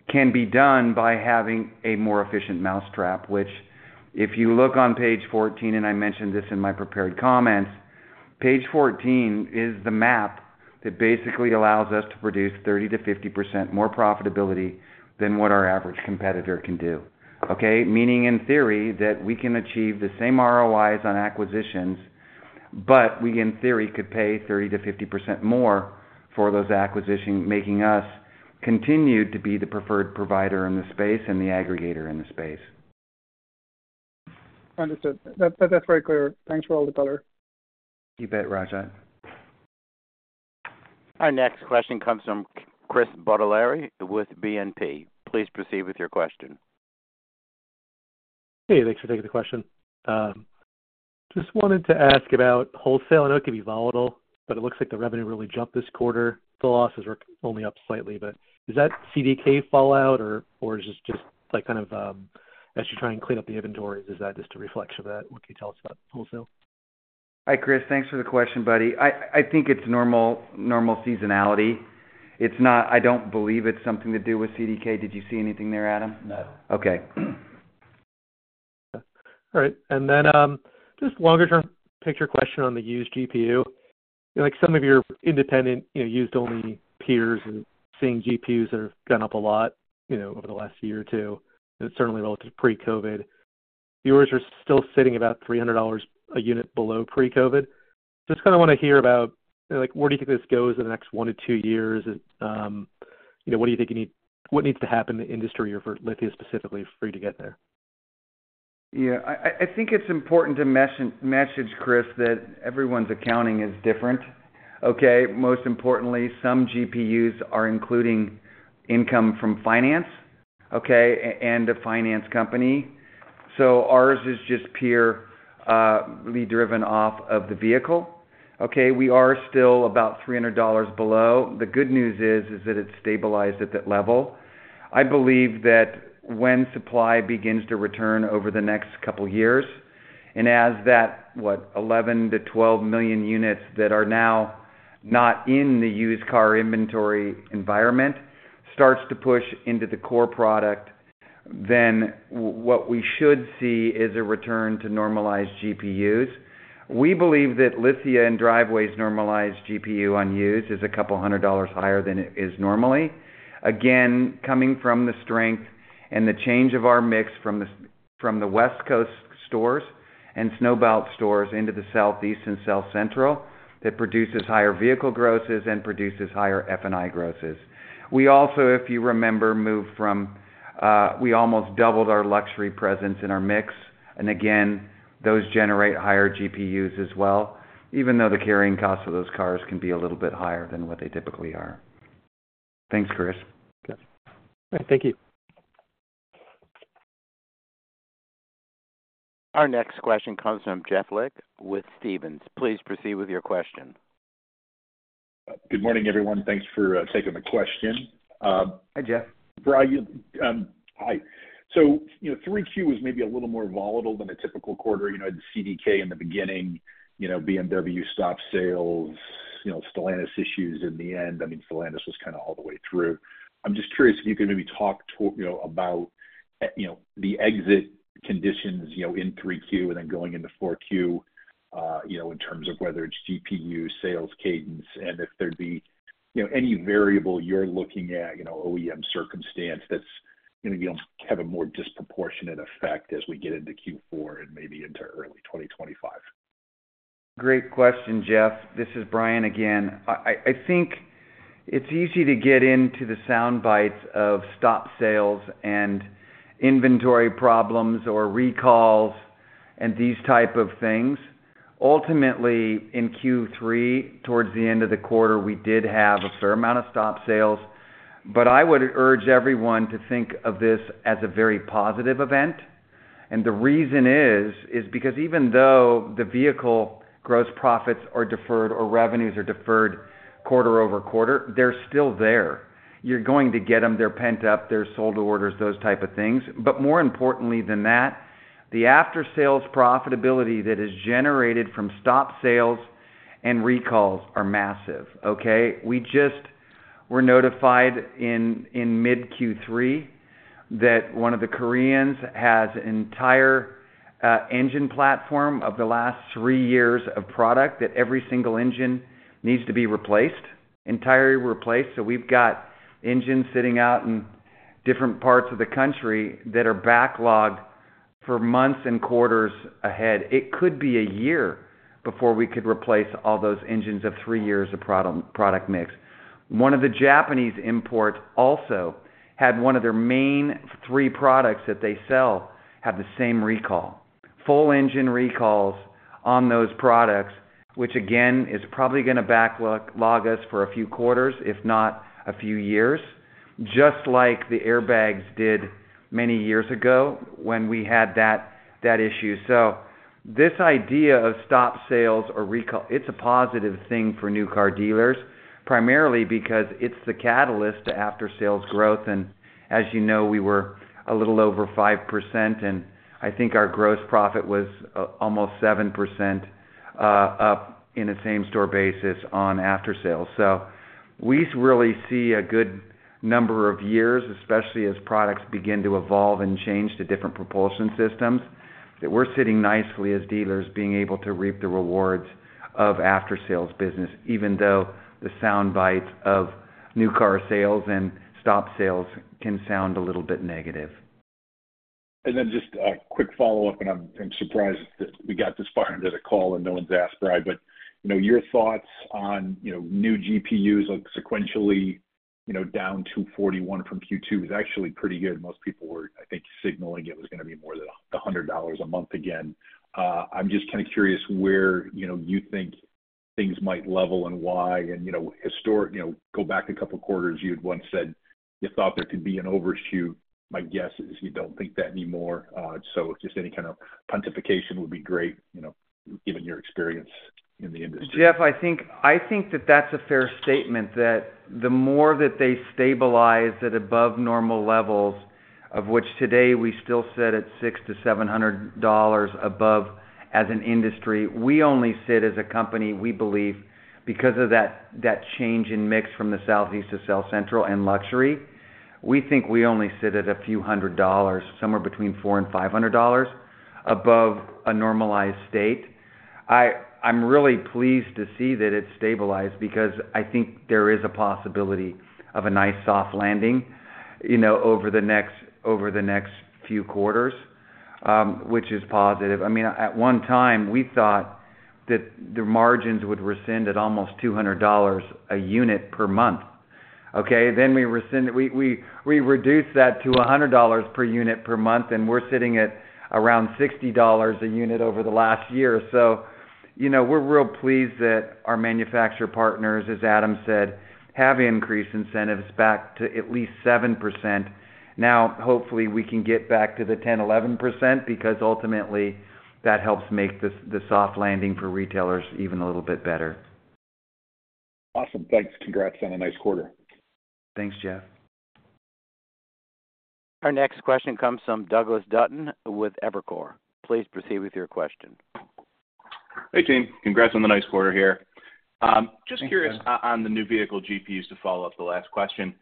can be done by having a more efficient mousetrap, which, if you look on page 14, and I mentioned this in my prepared comments, page 14 is the map that basically allows us to produce 30%-50% more profitability than what our average competitor can do, okay? Meaning, in theory, that we can achieve the same ROIs on acquisitions, but we, in theory, could pay 30%-50% more for those acquisitions, making us continue to be the preferred provider in the space and the aggregator in the space. Understood. That, that's very clear. Thanks for all the color. You bet, Rajat. Our next question comes from Chris Bottiglieri with BNP. Please proceed with your question. Hey, thanks for taking the question. Just wanted to ask about wholesale. I know it can be volatile, but it looks like the revenue really jumped this quarter. The losses were only up slightly, but does that CDK fallout or is this just, like, kind of, as you're trying to clean up the inventory, is that just a reflection of that? What can you tell us about wholesale? Hi, Chris. Thanks for the question, buddy. I think it's normal seasonality. It's not. I don't believe it's something to do with CDK. Did you see anything there, Adam? No. Okay. All right. And then, just longer-term picture question on the used GPU. Like, some of your independent, you know, used-only peers and seeing GPUs have gone up a lot, you know, over the last year or two, and certainly relative to pre-COVID. Yours are still sitting about $300 a unit below pre-COVID. Just kinda wanna hear about, like, where do you think this goes in the next one to two years? You know, what needs to happen in the industry, or for Lithia specifically, for you to get there? Yeah, I think it's important to message, Chris, that everyone's accounting is different, okay? Most importantly, some GPUs are including income from finance, okay, and the finance company. So ours is just purely driven off of the vehicle, okay? We are still about $300 below. The good news is that it's stabilized at that level. I believe that when supply begins to return over the next couple years, and as that, what, 11-12 million units that are now not in the used car inventory environment, starts to push into the core product, then what we should see is a return to normalized GPUs. We believe that Lithia & Driveway's normalized GPU on used is a couple hundred dollars higher than it is normally. Again, coming from the strength and the change of our mix from the West Coast stores and Snowbelt stores into the Southeast and South Central, that produces higher vehicle grosses and produces higher F&I grosses. We also, if you remember, moved from. We almost doubled our luxury presence in our mix, and again, those generate higher GPUs as well, even though the carrying cost of those cars can be a little bit higher than what they typically are.... Thanks, Chris. Okay. Thank you. Our next question comes from Jeff Lick with Stephens. Please proceed with your question. Good morning, everyone. Thanks for taking the question. Hi, Jeff. Brian, Hi. So, you know, 3Q was maybe a little more volatile than a typical quarter, you know, the CDK in the beginning, you know, BMW stopped sales, you know, Stellantis issues in the end. I mean, Stellantis was kind of all the way through. I'm just curious if you could maybe talk to you know, about, you know, the exit conditions, you know, in 3Q and then going into 4Q, you know, in terms of whether it's GPU, sales cadence, and if there'd be, you know, any variable you're looking at, you know, OEM circumstance, that's gonna be able to have a more disproportionate effect as we get into Q4, and maybe into early2025. Great question, Jeff. This is Brian again. I think it's easy to get into the sound bites of stop sales and inventory problems or recalls and these type of things. Ultimately, in Q3, towards the end of the quarter, we did have a fair amount of stop sales, but I would urge everyone to think of this as a very positive event. And the reason is because even though the vehicle gross profits are deferred or revenues are deferred quarter over quarter, they're still there. You're going to get them. They're pent up, they're sold to orders, those type of things. But more importantly than that, the after-sales profitability that is generated from stop sales and recalls are massive, okay? We just were notified in mid-Q3 that one of the Koreans has an entire engine platform of the last three years of product, that every single engine needs to be replaced, entirely replaced. So we've got engines sitting out in different parts of the country that are backlogged for months and quarters ahead. It could be a year before we could replace all those engines of three years of product mix. One of the Japanese imports also had one of their main three products that they sell, have the same recall. Full engine recalls on those products, which again, is probably gonna backlog us for a few quarters, if not a few years, just like the airbags did many years ago when we had that issue. So this idea of stop-sales or recall, it's a positive thing for new car dealers, primarily because it's the catalyst to after-sales growth. And as you know, we were a little over 5%, and I think our gross profit was almost 7% up on a same-store basis in after-sales. So we really see a good number of years, especially as products begin to evolve and change to different propulsion systems, that we're sitting nicely as dealers being able to reap the rewards of after-sales business, even though the sound bites of new car sales and stop-sales can sound a little bit negative. And then just a quick follow-up, and I'm surprised that we got this far into the call and no one's asked, Brian, but you know, your thoughts on, you know, new GPUs sequentially, you know, down $241 from Q2 is actually pretty good. Most people were, I think, signaling it was gonna be more than $100 a month again. I'm just kind of curious where, you know, you think things might level and why. And, you know, historically, you know, go back a couple of quarters, you had once said you thought there could be an overshoot. My guess is you don't think that anymore. So just any kind of pontification would be great, you know, given your experience in the industry. Jeff, I think that that's a fair statement, that the more that they stabilize at above normal levels, of which today we still sit at $600-$700 above as an industry, we only sit as a company, we believe, because of that, that change in mix from the Southeast to South Central and luxury. We think we only sit at a few hundred dollars, somewhere between $400 and $500 above a normalized state. I'm really pleased to see that it's stabilized because I think there is a possibility of a nice soft landing, you know, over the next few quarters, which is positive. I mean, at one time, we thought that the margins would rescind at almost $200 a unit per month. Okay, then we reduced that to $100 per unit per month, and we're sitting at around $60 a unit over the last year. So, you know, we're real pleased that our manufacturer partners, as Adam said, have increased incentives back to at least 7%. Now, hopefully, we can get back to the 10%-11%, because ultimately, that helps make the soft landing for retailers even a little bit better. Awesome. Thanks. Congrats on a nice quarter. Thanks, Jeff. Our next question comes from Douglas Dutton with Evercore. Please proceed with your question. Hey, team. Congrats on the nice quarter here. Just curious- Thanks, Doug. on the new vehicle GPUs to follow up the last question.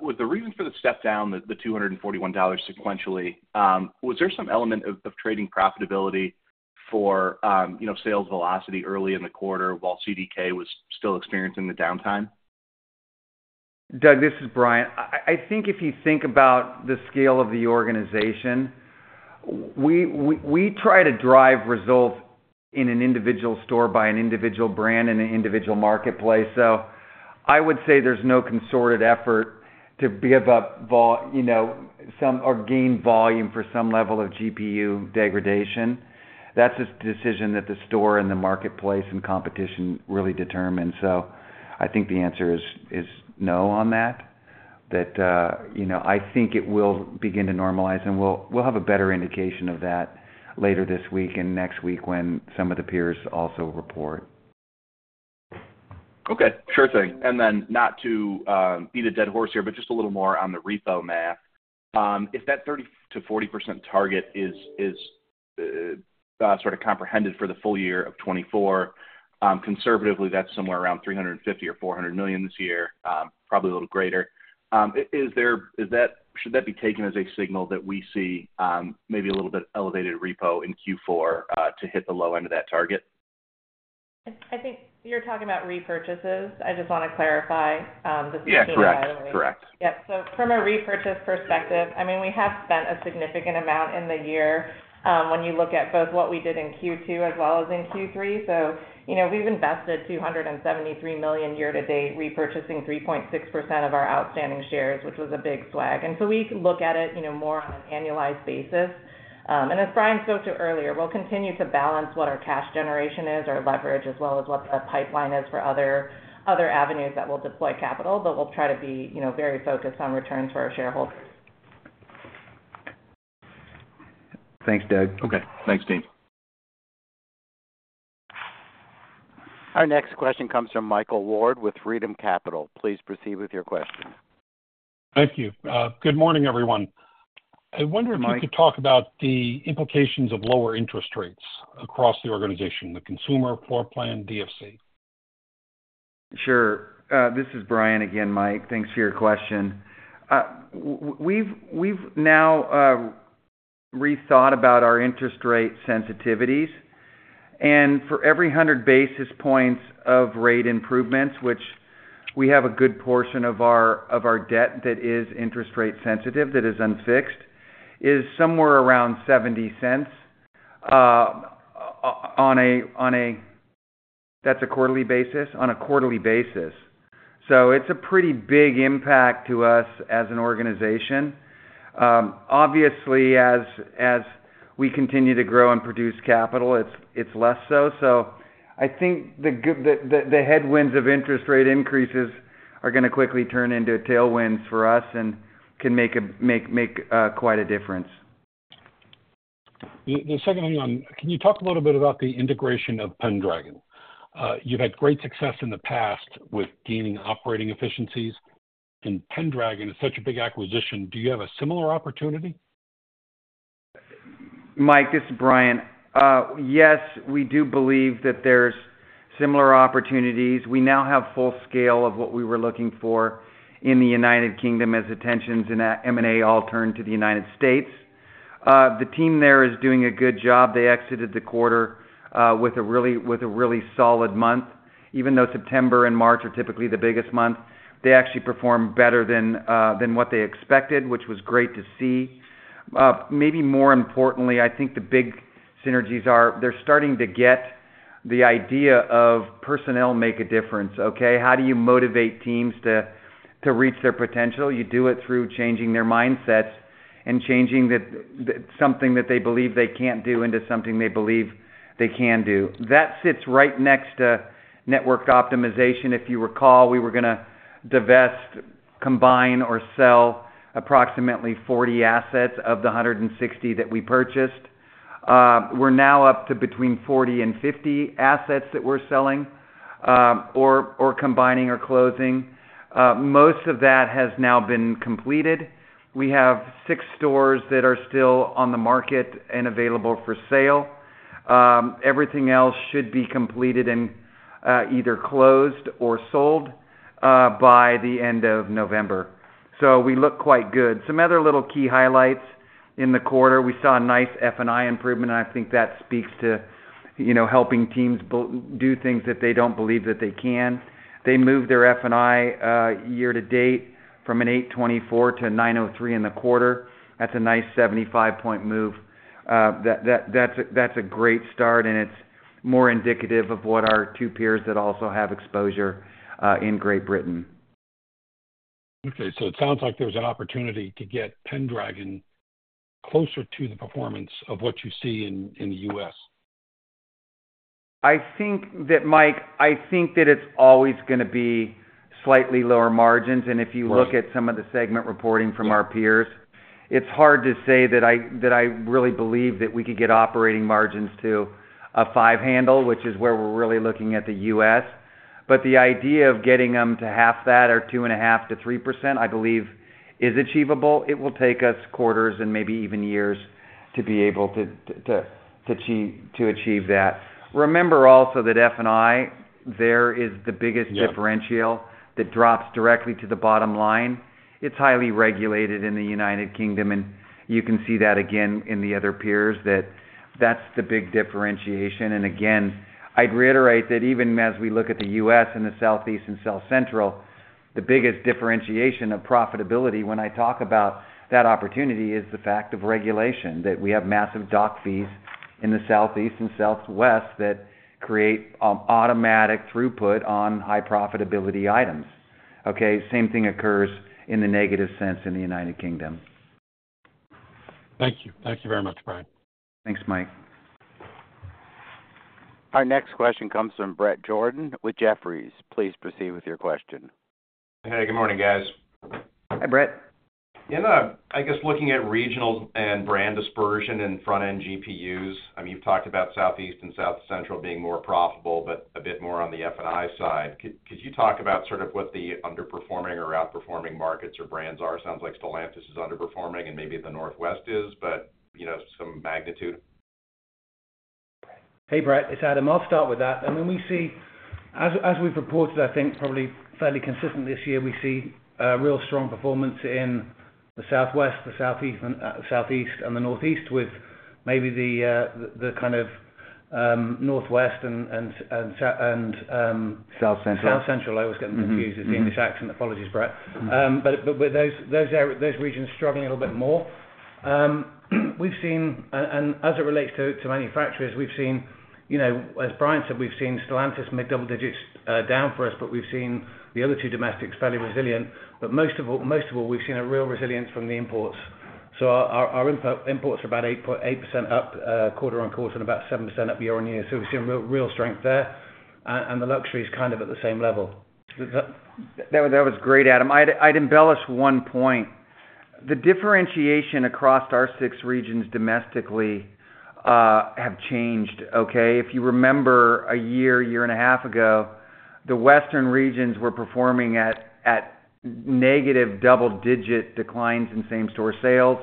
Was the reason for the step down the $241 sequentially? Was there some element of trading profitability for you know sales velocity early in the quarter while CDK was still experiencing the downtime? Doug, this is Brian. I think if you think about the scale of the organization, we try to drive results in an individual store by an individual brand in an individual marketplace. So I would say there's no concerted effort to give up volume, you know, some or gain volume for some level of GPU degradation. That's a decision that the store and the marketplace and competition really determine. So I think the answer is no on that, you know, I think it will begin to normalize, and we'll have a better indication of that later this week and next week when some of the peers also report. Okay, sure thing. And then not to beat a dead horse here, but just a little more on the repo math. If that 30%-40% target is sort of comprehended for the full year of twenty-four, conservatively, that's somewhere around $350 or $400 million this year, probably a little greater. Should that be taken as a signal that we see maybe a little bit elevated repo in Q4 to hit the low end of that target? I think you're talking about repurchases. I just wanna clarify, this- Yeah, correct. Correct. Yep. So from a repurchase perspective, I mean, we have spent a significant amount in the year, when you look at both what we did in Q2 as well as in Q3. So, you know, we've invested $273 million year to date, repurchasing 3.6% of our outstanding shares, which was a big chunk. And so we look at it, you know, more on an annualized basis. And as Brian spoke to earlier, we'll continue to balance what our cash generation is, our leverage, as well as what the pipeline is for other avenues that will deploy capital, but we'll try to be, you know, very focused on returns for our shareholders. Thanks, Dave. Okay, thanks, team. Our next question comes from Michael Ward with Freedom Capital. Please proceed with your question. Thank you. Good morning, everyone. I wonder Mike If you could talk about the implications of lower interest rates across the organization, the consumer, floor plan, DFC. Sure. This is Brian again, Mike. Thanks for your question. We've now rethought about our interest rate sensitivities, and for every 100 basis points of rate improvements, which we have a good portion of our debt that is interest rate sensitive, that is unfixed, is somewhere around $0.70 on a... That's a quarterly basis? On a quarterly-basis. So it's a pretty big impact to us as an organization. Obviously, as we continue to grow and produce capital, it's less so. So I think the headwinds of interest rate increases are gonna quickly turn into a tailwind for us and can make quite a difference. The second one, can you talk a little bit about the integration of Pendragon? You've had great success in the past with gaining operating efficiencies, and Pendragon is such a big acquisition. Do you have a similar opportunity? Mike, this is Brian. Yes, we do believe that there's similar opportunities. We now have full scale of what we were looking for in the United Kingdom as intentions in M&A all turn to the United States. The team there is doing a good job. They exited the quarter with a really solid month. Even though September and March are typically the biggest month, they actually performed better than what they expected, which was great to see. Maybe more importantly, I think the big synergies are, they're starting to get the idea of personnel make a difference, okay? How do you motivate teams to reach their potential? You do it through changing their mindsets and changing something that they believe they can't do into something they believe they can do. That sits right next to network optimization. If you recall, we were gonna divest, combine or sell approximately 40 assets of the 160 that we purchased. We're now up to between 40 and 50 assets that we're selling, or combining or closing. Most of that has now been completed. We have six stores that are still on the market and available for sale. Everything else should be completed and either closed or sold by the end of November. So we look quite good. Some other little key highlights in the quarter, we saw a nice F&I improvement, and I think that speaks to, you know, helping teams do things that they don't believe that they can. They moved their F&I year to date from an $824 to $903 in the quarter. That's a nice 75-point move. That's a great start, and it's more indicative of what our two peers that also have exposure in Great Britain. Okay, so it sounds like there's an opportunity to get Pendragon closer to the performance of what you see in the U.S. I think that, Mike, I think that it's always gonna be slightly lower margins. Right. And if you look at some of the segment reporting from our peers, it's hard to say that I really believe that we could get operating margins to a five handle, which is where we're really looking at the U.S. But the idea of getting them to half that or 2.5%-3%, I believe is achievable. It will take us quarters and maybe even years to be able to achieve that. Remember also that F&I, there is the biggest- Yep.... differential that drops directly to the bottom line. It's highly regulated in the United Kingdom, and you can see that again in the other peers, that that's the big differentiation. Again, I'd reiterate that even as we look at the U.S. and the Southeast and South Central, the biggest differentiation of profitability when I talk about that opportunity, is the fact of regulation, that we have massive doc fees in the Southeast and Southwest that create automatic throughput on high profitability items, okay? Same thing occurs in the negative sense in the United Kingdom. Thank you. Thank you very much, Brian. Thanks, Mike. Our next question comes from Bret Jordan with Jefferies. Please proceed with your question. Hey, good morning, guys. Hi, Bret. In the, I guess, looking at regional and brand dispersion in front-end GPUs, I mean, you've talked about Southeast and South Central being more profitable, but a bit more on the F&I side. Could you talk about sort of what the underperforming or outperforming markets or brands are? Sounds like Stellantis is underperforming and maybe the Northwest is, but, you know, some magnitude. Hey, Brett, it's Adam. I'll start with that. I mean, we see. As, as we've reported, I think, probably fairly consistent this year, we see real strong performance in the Southwest, the Southeast, and Southeast and the Northeast, with maybe the the kind of Northwest and Sou and. South Central. South Central. I always get them confused. Mm-hmm. It's the English accent. Apologies, Brett. But with those, those are those regions struggling a little bit more. We've seen, and as it relates to manufacturers, we've seen, you know, as Brian said, we've seen Stellantis mid double digits down for us, but we've seen the other two domestics fairly resilient. But most of all, we've seen a real resilience from the imports. So our imports are about 8.8% up quarter on quarter and about 7% up year on year. So we've seen real strength there, and the luxury is kind of at the same level. That was great, Adam. I'd embellish one point. The differentiation across our six regions domestically have changed, okay? If you remember, a year and a half ago, the western regions were performing at negative double-digit declines in same-store sales.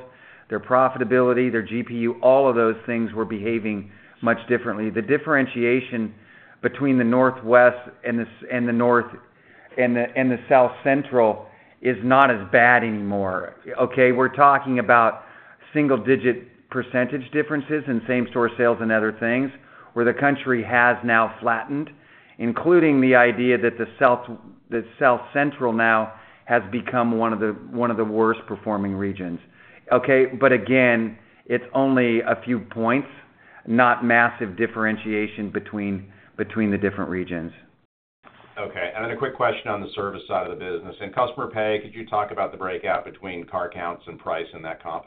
Their profitability, their GPU, all of those things were behaving much differently. The differentiation between the Northwest and the Southeast and the Northeast and the South Central is not as bad anymore, okay? We're talking about single-digit percentage differences in same-store sales and other things, where the country has now flattened, including the idea that the South Central now has become one of the worst-performing regions, okay? But again, it's only a few points, not massive differentiation between the different regions. Okay, and then a quick question on the service side of the business. In customer pay, could you talk about the breakout between car counts and price and that comp?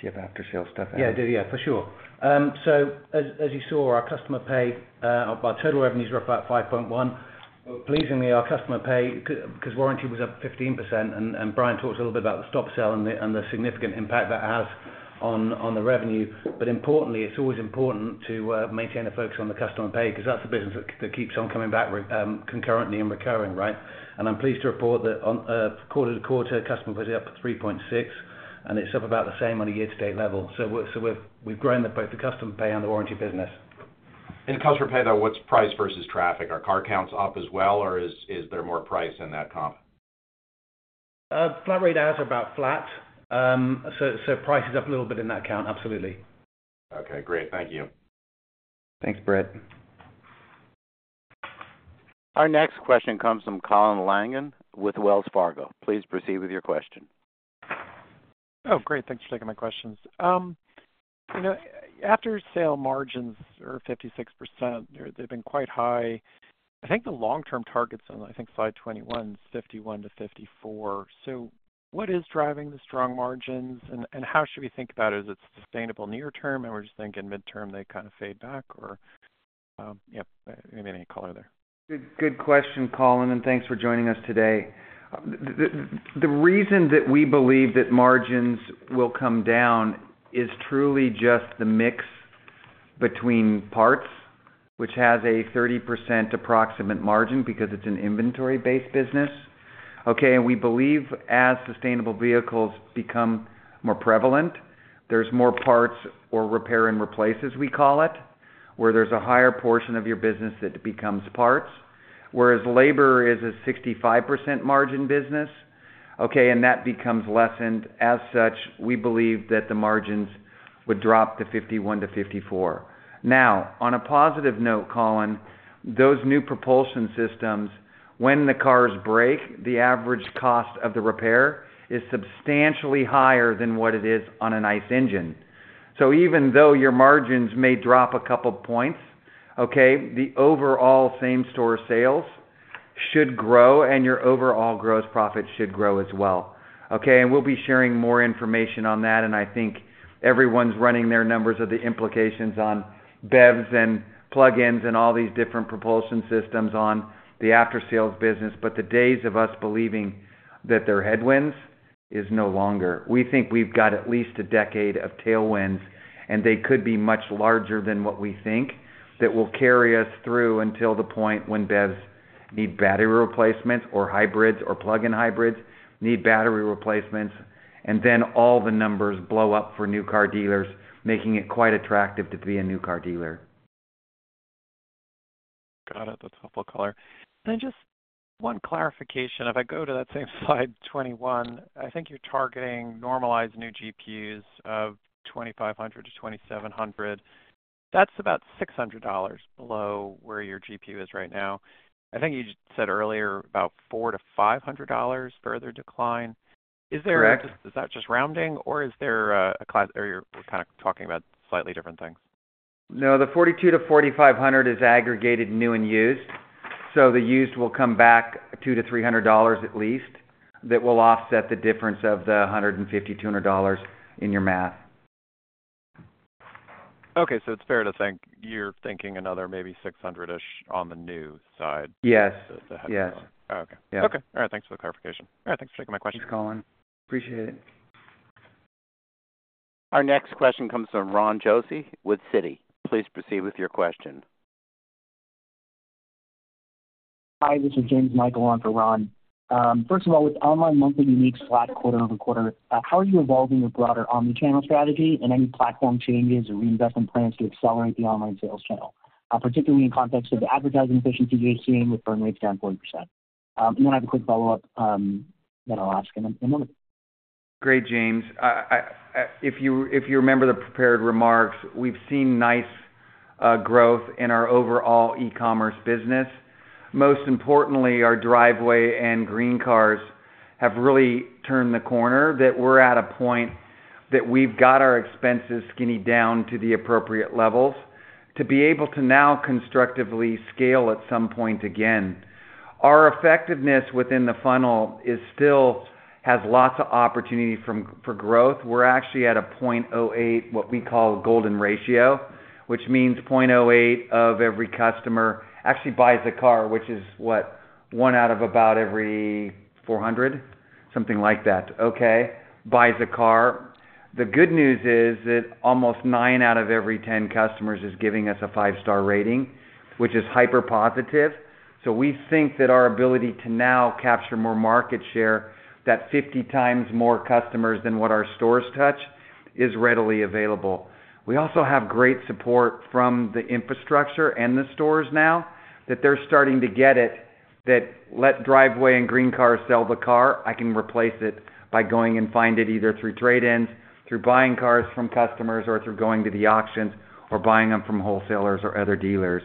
Do you have after-sale stuff, Adam? Yeah, I do. Yeah, for sure. So as you saw, our customer pay, our total revenues were up about 5.1%. Pleasingly, our customer pay, because warranty was up 15%, and Brian talked a little bit about the stop-sale and the significant impact that has on the revenue. But importantly, it's always important to maintain a focus on the customer pay, 'cause that's the business that keeps on coming back, concurrently and recurring, right? And I'm pleased to report that on quarter to quarter, customer pay is up at 3.6%, and it's up about the same on a year-to-date level. So we've grown both the customer pay and the warranty business. In Customer Pay, though, what's price versus traffic? Are car counts up as well, or is there more price in that comp? Flat rate hours are about flat. So, price is up a little bit in that count. Absolutely. Okay, great. Thank you. Thanks, Brett. Our next question comes from Colin Langan with Wells Fargo. Please proceed with your question. Oh, great. Thanks for taking my questions. You know, after-sales margins are 56%, they've been quite high. I think the long-term targets on, I think, slide 21, is 51%-54%. So what is driving the strong margins, and how should we think about it? Is it sustainable near term, and we're just thinking midterm, they kind of fade back? Or, yep, any color there. Good, good question, Colin, and thanks for joining us today. The reason that we believe that margins will come down is truly just the mix between parts, which has a 30% approximate margin because it's an inventory-based business, okay? And we believe, as sustainable vehicles become more prevalent, there's more parts or repair and replaces, we call it, where there's a higher portion of your business that becomes parts, whereas labor is a 65% margin business, okay, and that becomes lessened. As such, we believe that the margins would drop to 51%-54%. Now, on a positive note, Colin, those new propulsion systems, when the cars break, the average cost of the repair is substantially higher than what it is on an ICE engine. So even though your margins may drop a couple points, okay, the overall same-store sales should grow, and your overall gross profit should grow as well, okay? And we'll be sharing more information on that, and I think everyone's running their numbers of the implications on BEVs and plug-ins and all these different propulsion systems on the after-sales business. But the days of us believing that they're headwinds is no longer. We think we've got at least a decade of tailwinds, and they could be much larger than what we think, that will carry us through until the point when BEVs need battery replacements or hybrids or plug-in hybrids need battery replacements, and then all the numbers blow up for new car dealers, making it quite attractive to be a new car dealer. Got it. That's helpful color. And then just one clarification. If I go to that same slide, 21, I think you're targeting normalized new GPUs of 2,500-2,700. That's about $600 below where your GPU is right now. I think you just said earlier, about $400-$500 further decline. Correct. Is that just rounding or is there a class, or you're kind of talking about slightly different things? No, the $4,200-$4,500 is aggregated, new and used, so the used will come back $200-$300 at least. That will offset the difference of the $150, $200 dollars in your math. Okay, so it's fair to think you're thinking another maybe 600-ish on the new side? Yes. Okay. Yes. Okay. All right, thanks for the clarification. All right, thanks for taking my question. Thanks, Colin. Appreciate it. Our next question comes from Ron Josey with Citi. Please proceed with your question. Hi, this is James Michael on for Ron. First of all, with online monthly uniques flat quarter over quarter, how are you evolving your broader omni-channel strategy, and any platform changes or reinvestment plans to accelerate the online sales channel, particularly in context of the advertising efficiency you're seeing with burn rates down 40%? And then I have a quick follow-up that I'll ask in a moment. Great, James. If you remember the prepared remarks, we've seen nice growth in our overall e-commerce business. Most importantly, our Driveway and GreenCars have really turned the corner. We're at a point that we've got our expenses skinny down to the appropriate levels to be able to now constructively scale at some point again. Our effectiveness within the funnel is still has lots of opportunity for growth. We're actually at a point oh eight, what we call golden ratio, which means point oh eight of every customer actually buys a car, which is what? One out of about every four hundred, something like that, okay, buys a car. The good news is that almost nine out of every ten customers is giving us a five-star rating, which is hyper positive. So we think that our ability to now capture more market share, that fifty times more customers than what our stores touch, is readily available. We also have great support from the infrastructure and the stores now, that they're starting to get it, that let Driveway and GreenCars sell the car. I can replace it by going and find it either through trade-ins, through buying cars from customers, or through going to the auctions, or buying them from wholesalers or other dealers.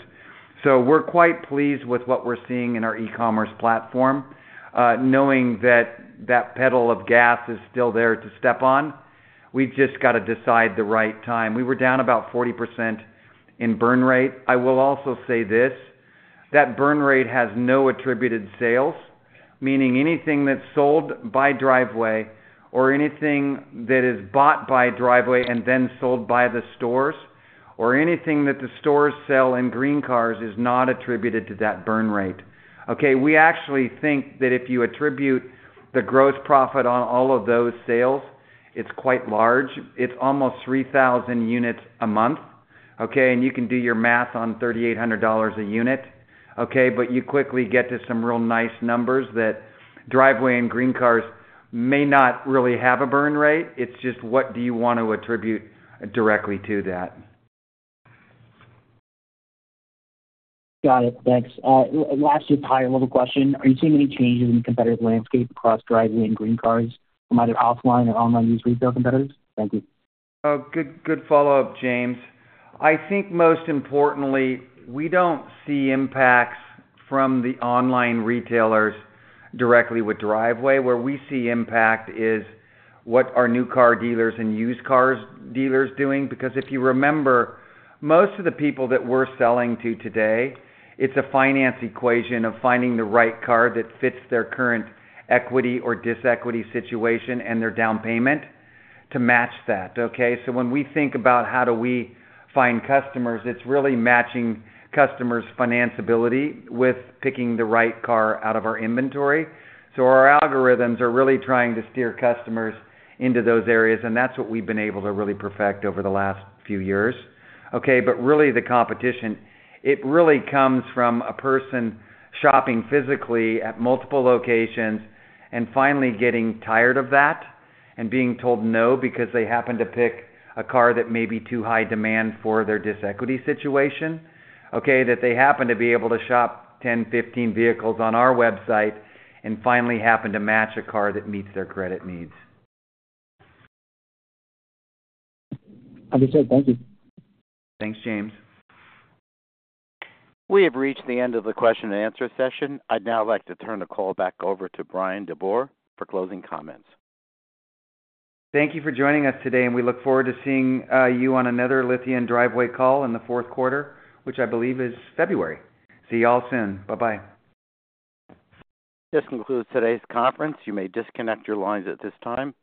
So we're quite pleased with what we're seeing in our e-commerce platform. Knowing that that pedal of gas is still there to step on, we've just got to decide the right time. We were down about 40% in burn rate. I will also say this, that burn rate has no attributed sales, meaning anything that's sold by Driveway or anything that is bought by Driveway and then sold by the stores, or anything that the stores sell in Green Cars is not attributed to that burn rate, okay? We actually think that if you attribute the gross profit on all of those sales, it's quite large. It's almost 3,000 units a month, okay? And you can do your math on $3,800 a unit, okay? But you quickly get to some real nice numbers that Driveway and Green Cars may not really have a burn rate. It's just what do you want to attribute directly to that? Got it. Thanks. Last, just high-level question: Are you seeing any changes in the competitive landscape across Driveway and GreenCars from either offline or online used retail competitors? Thank you. Oh, good, good follow-up, James. I think most importantly, we don't see impacts from the online retailers directly with Driveway. Where we see impact is what are new car dealers and used cars dealers doing, because if you remember, most of the people that we're selling to today, it's a finance equation of finding the right car that fits their current equity or disequity situation and their down payment to match that, okay? So when we think about how do we find customers, it's really matching customers' financability with picking the right car out of our inventory. So our algorithms are really trying to steer customers into those areas, and that's what we've been able to really perfect over the last few years. Okay, but really, the competition, it really comes from a person shopping physically at multiple locations and finally getting tired of that and being told no, because they happen to pick a car that may be too high demand for their disequity situation, okay? That they happen to be able to shop 10, 15 vehicles on our website and finally happen to match a car that meets their credit needs. Understood. Thank you. Thanks, James. We have reached the end of the question and answer session. I'd now like to turn the call back over to Brian DeBoer for closing comments. Thank you for joining us today, and we look forward to seeing you on another Lithia & Driveway call in the fourth quarter, which I believe is February. See you all soon. Bye-bye. This concludes today's conference. You may disconnect your lines at this time.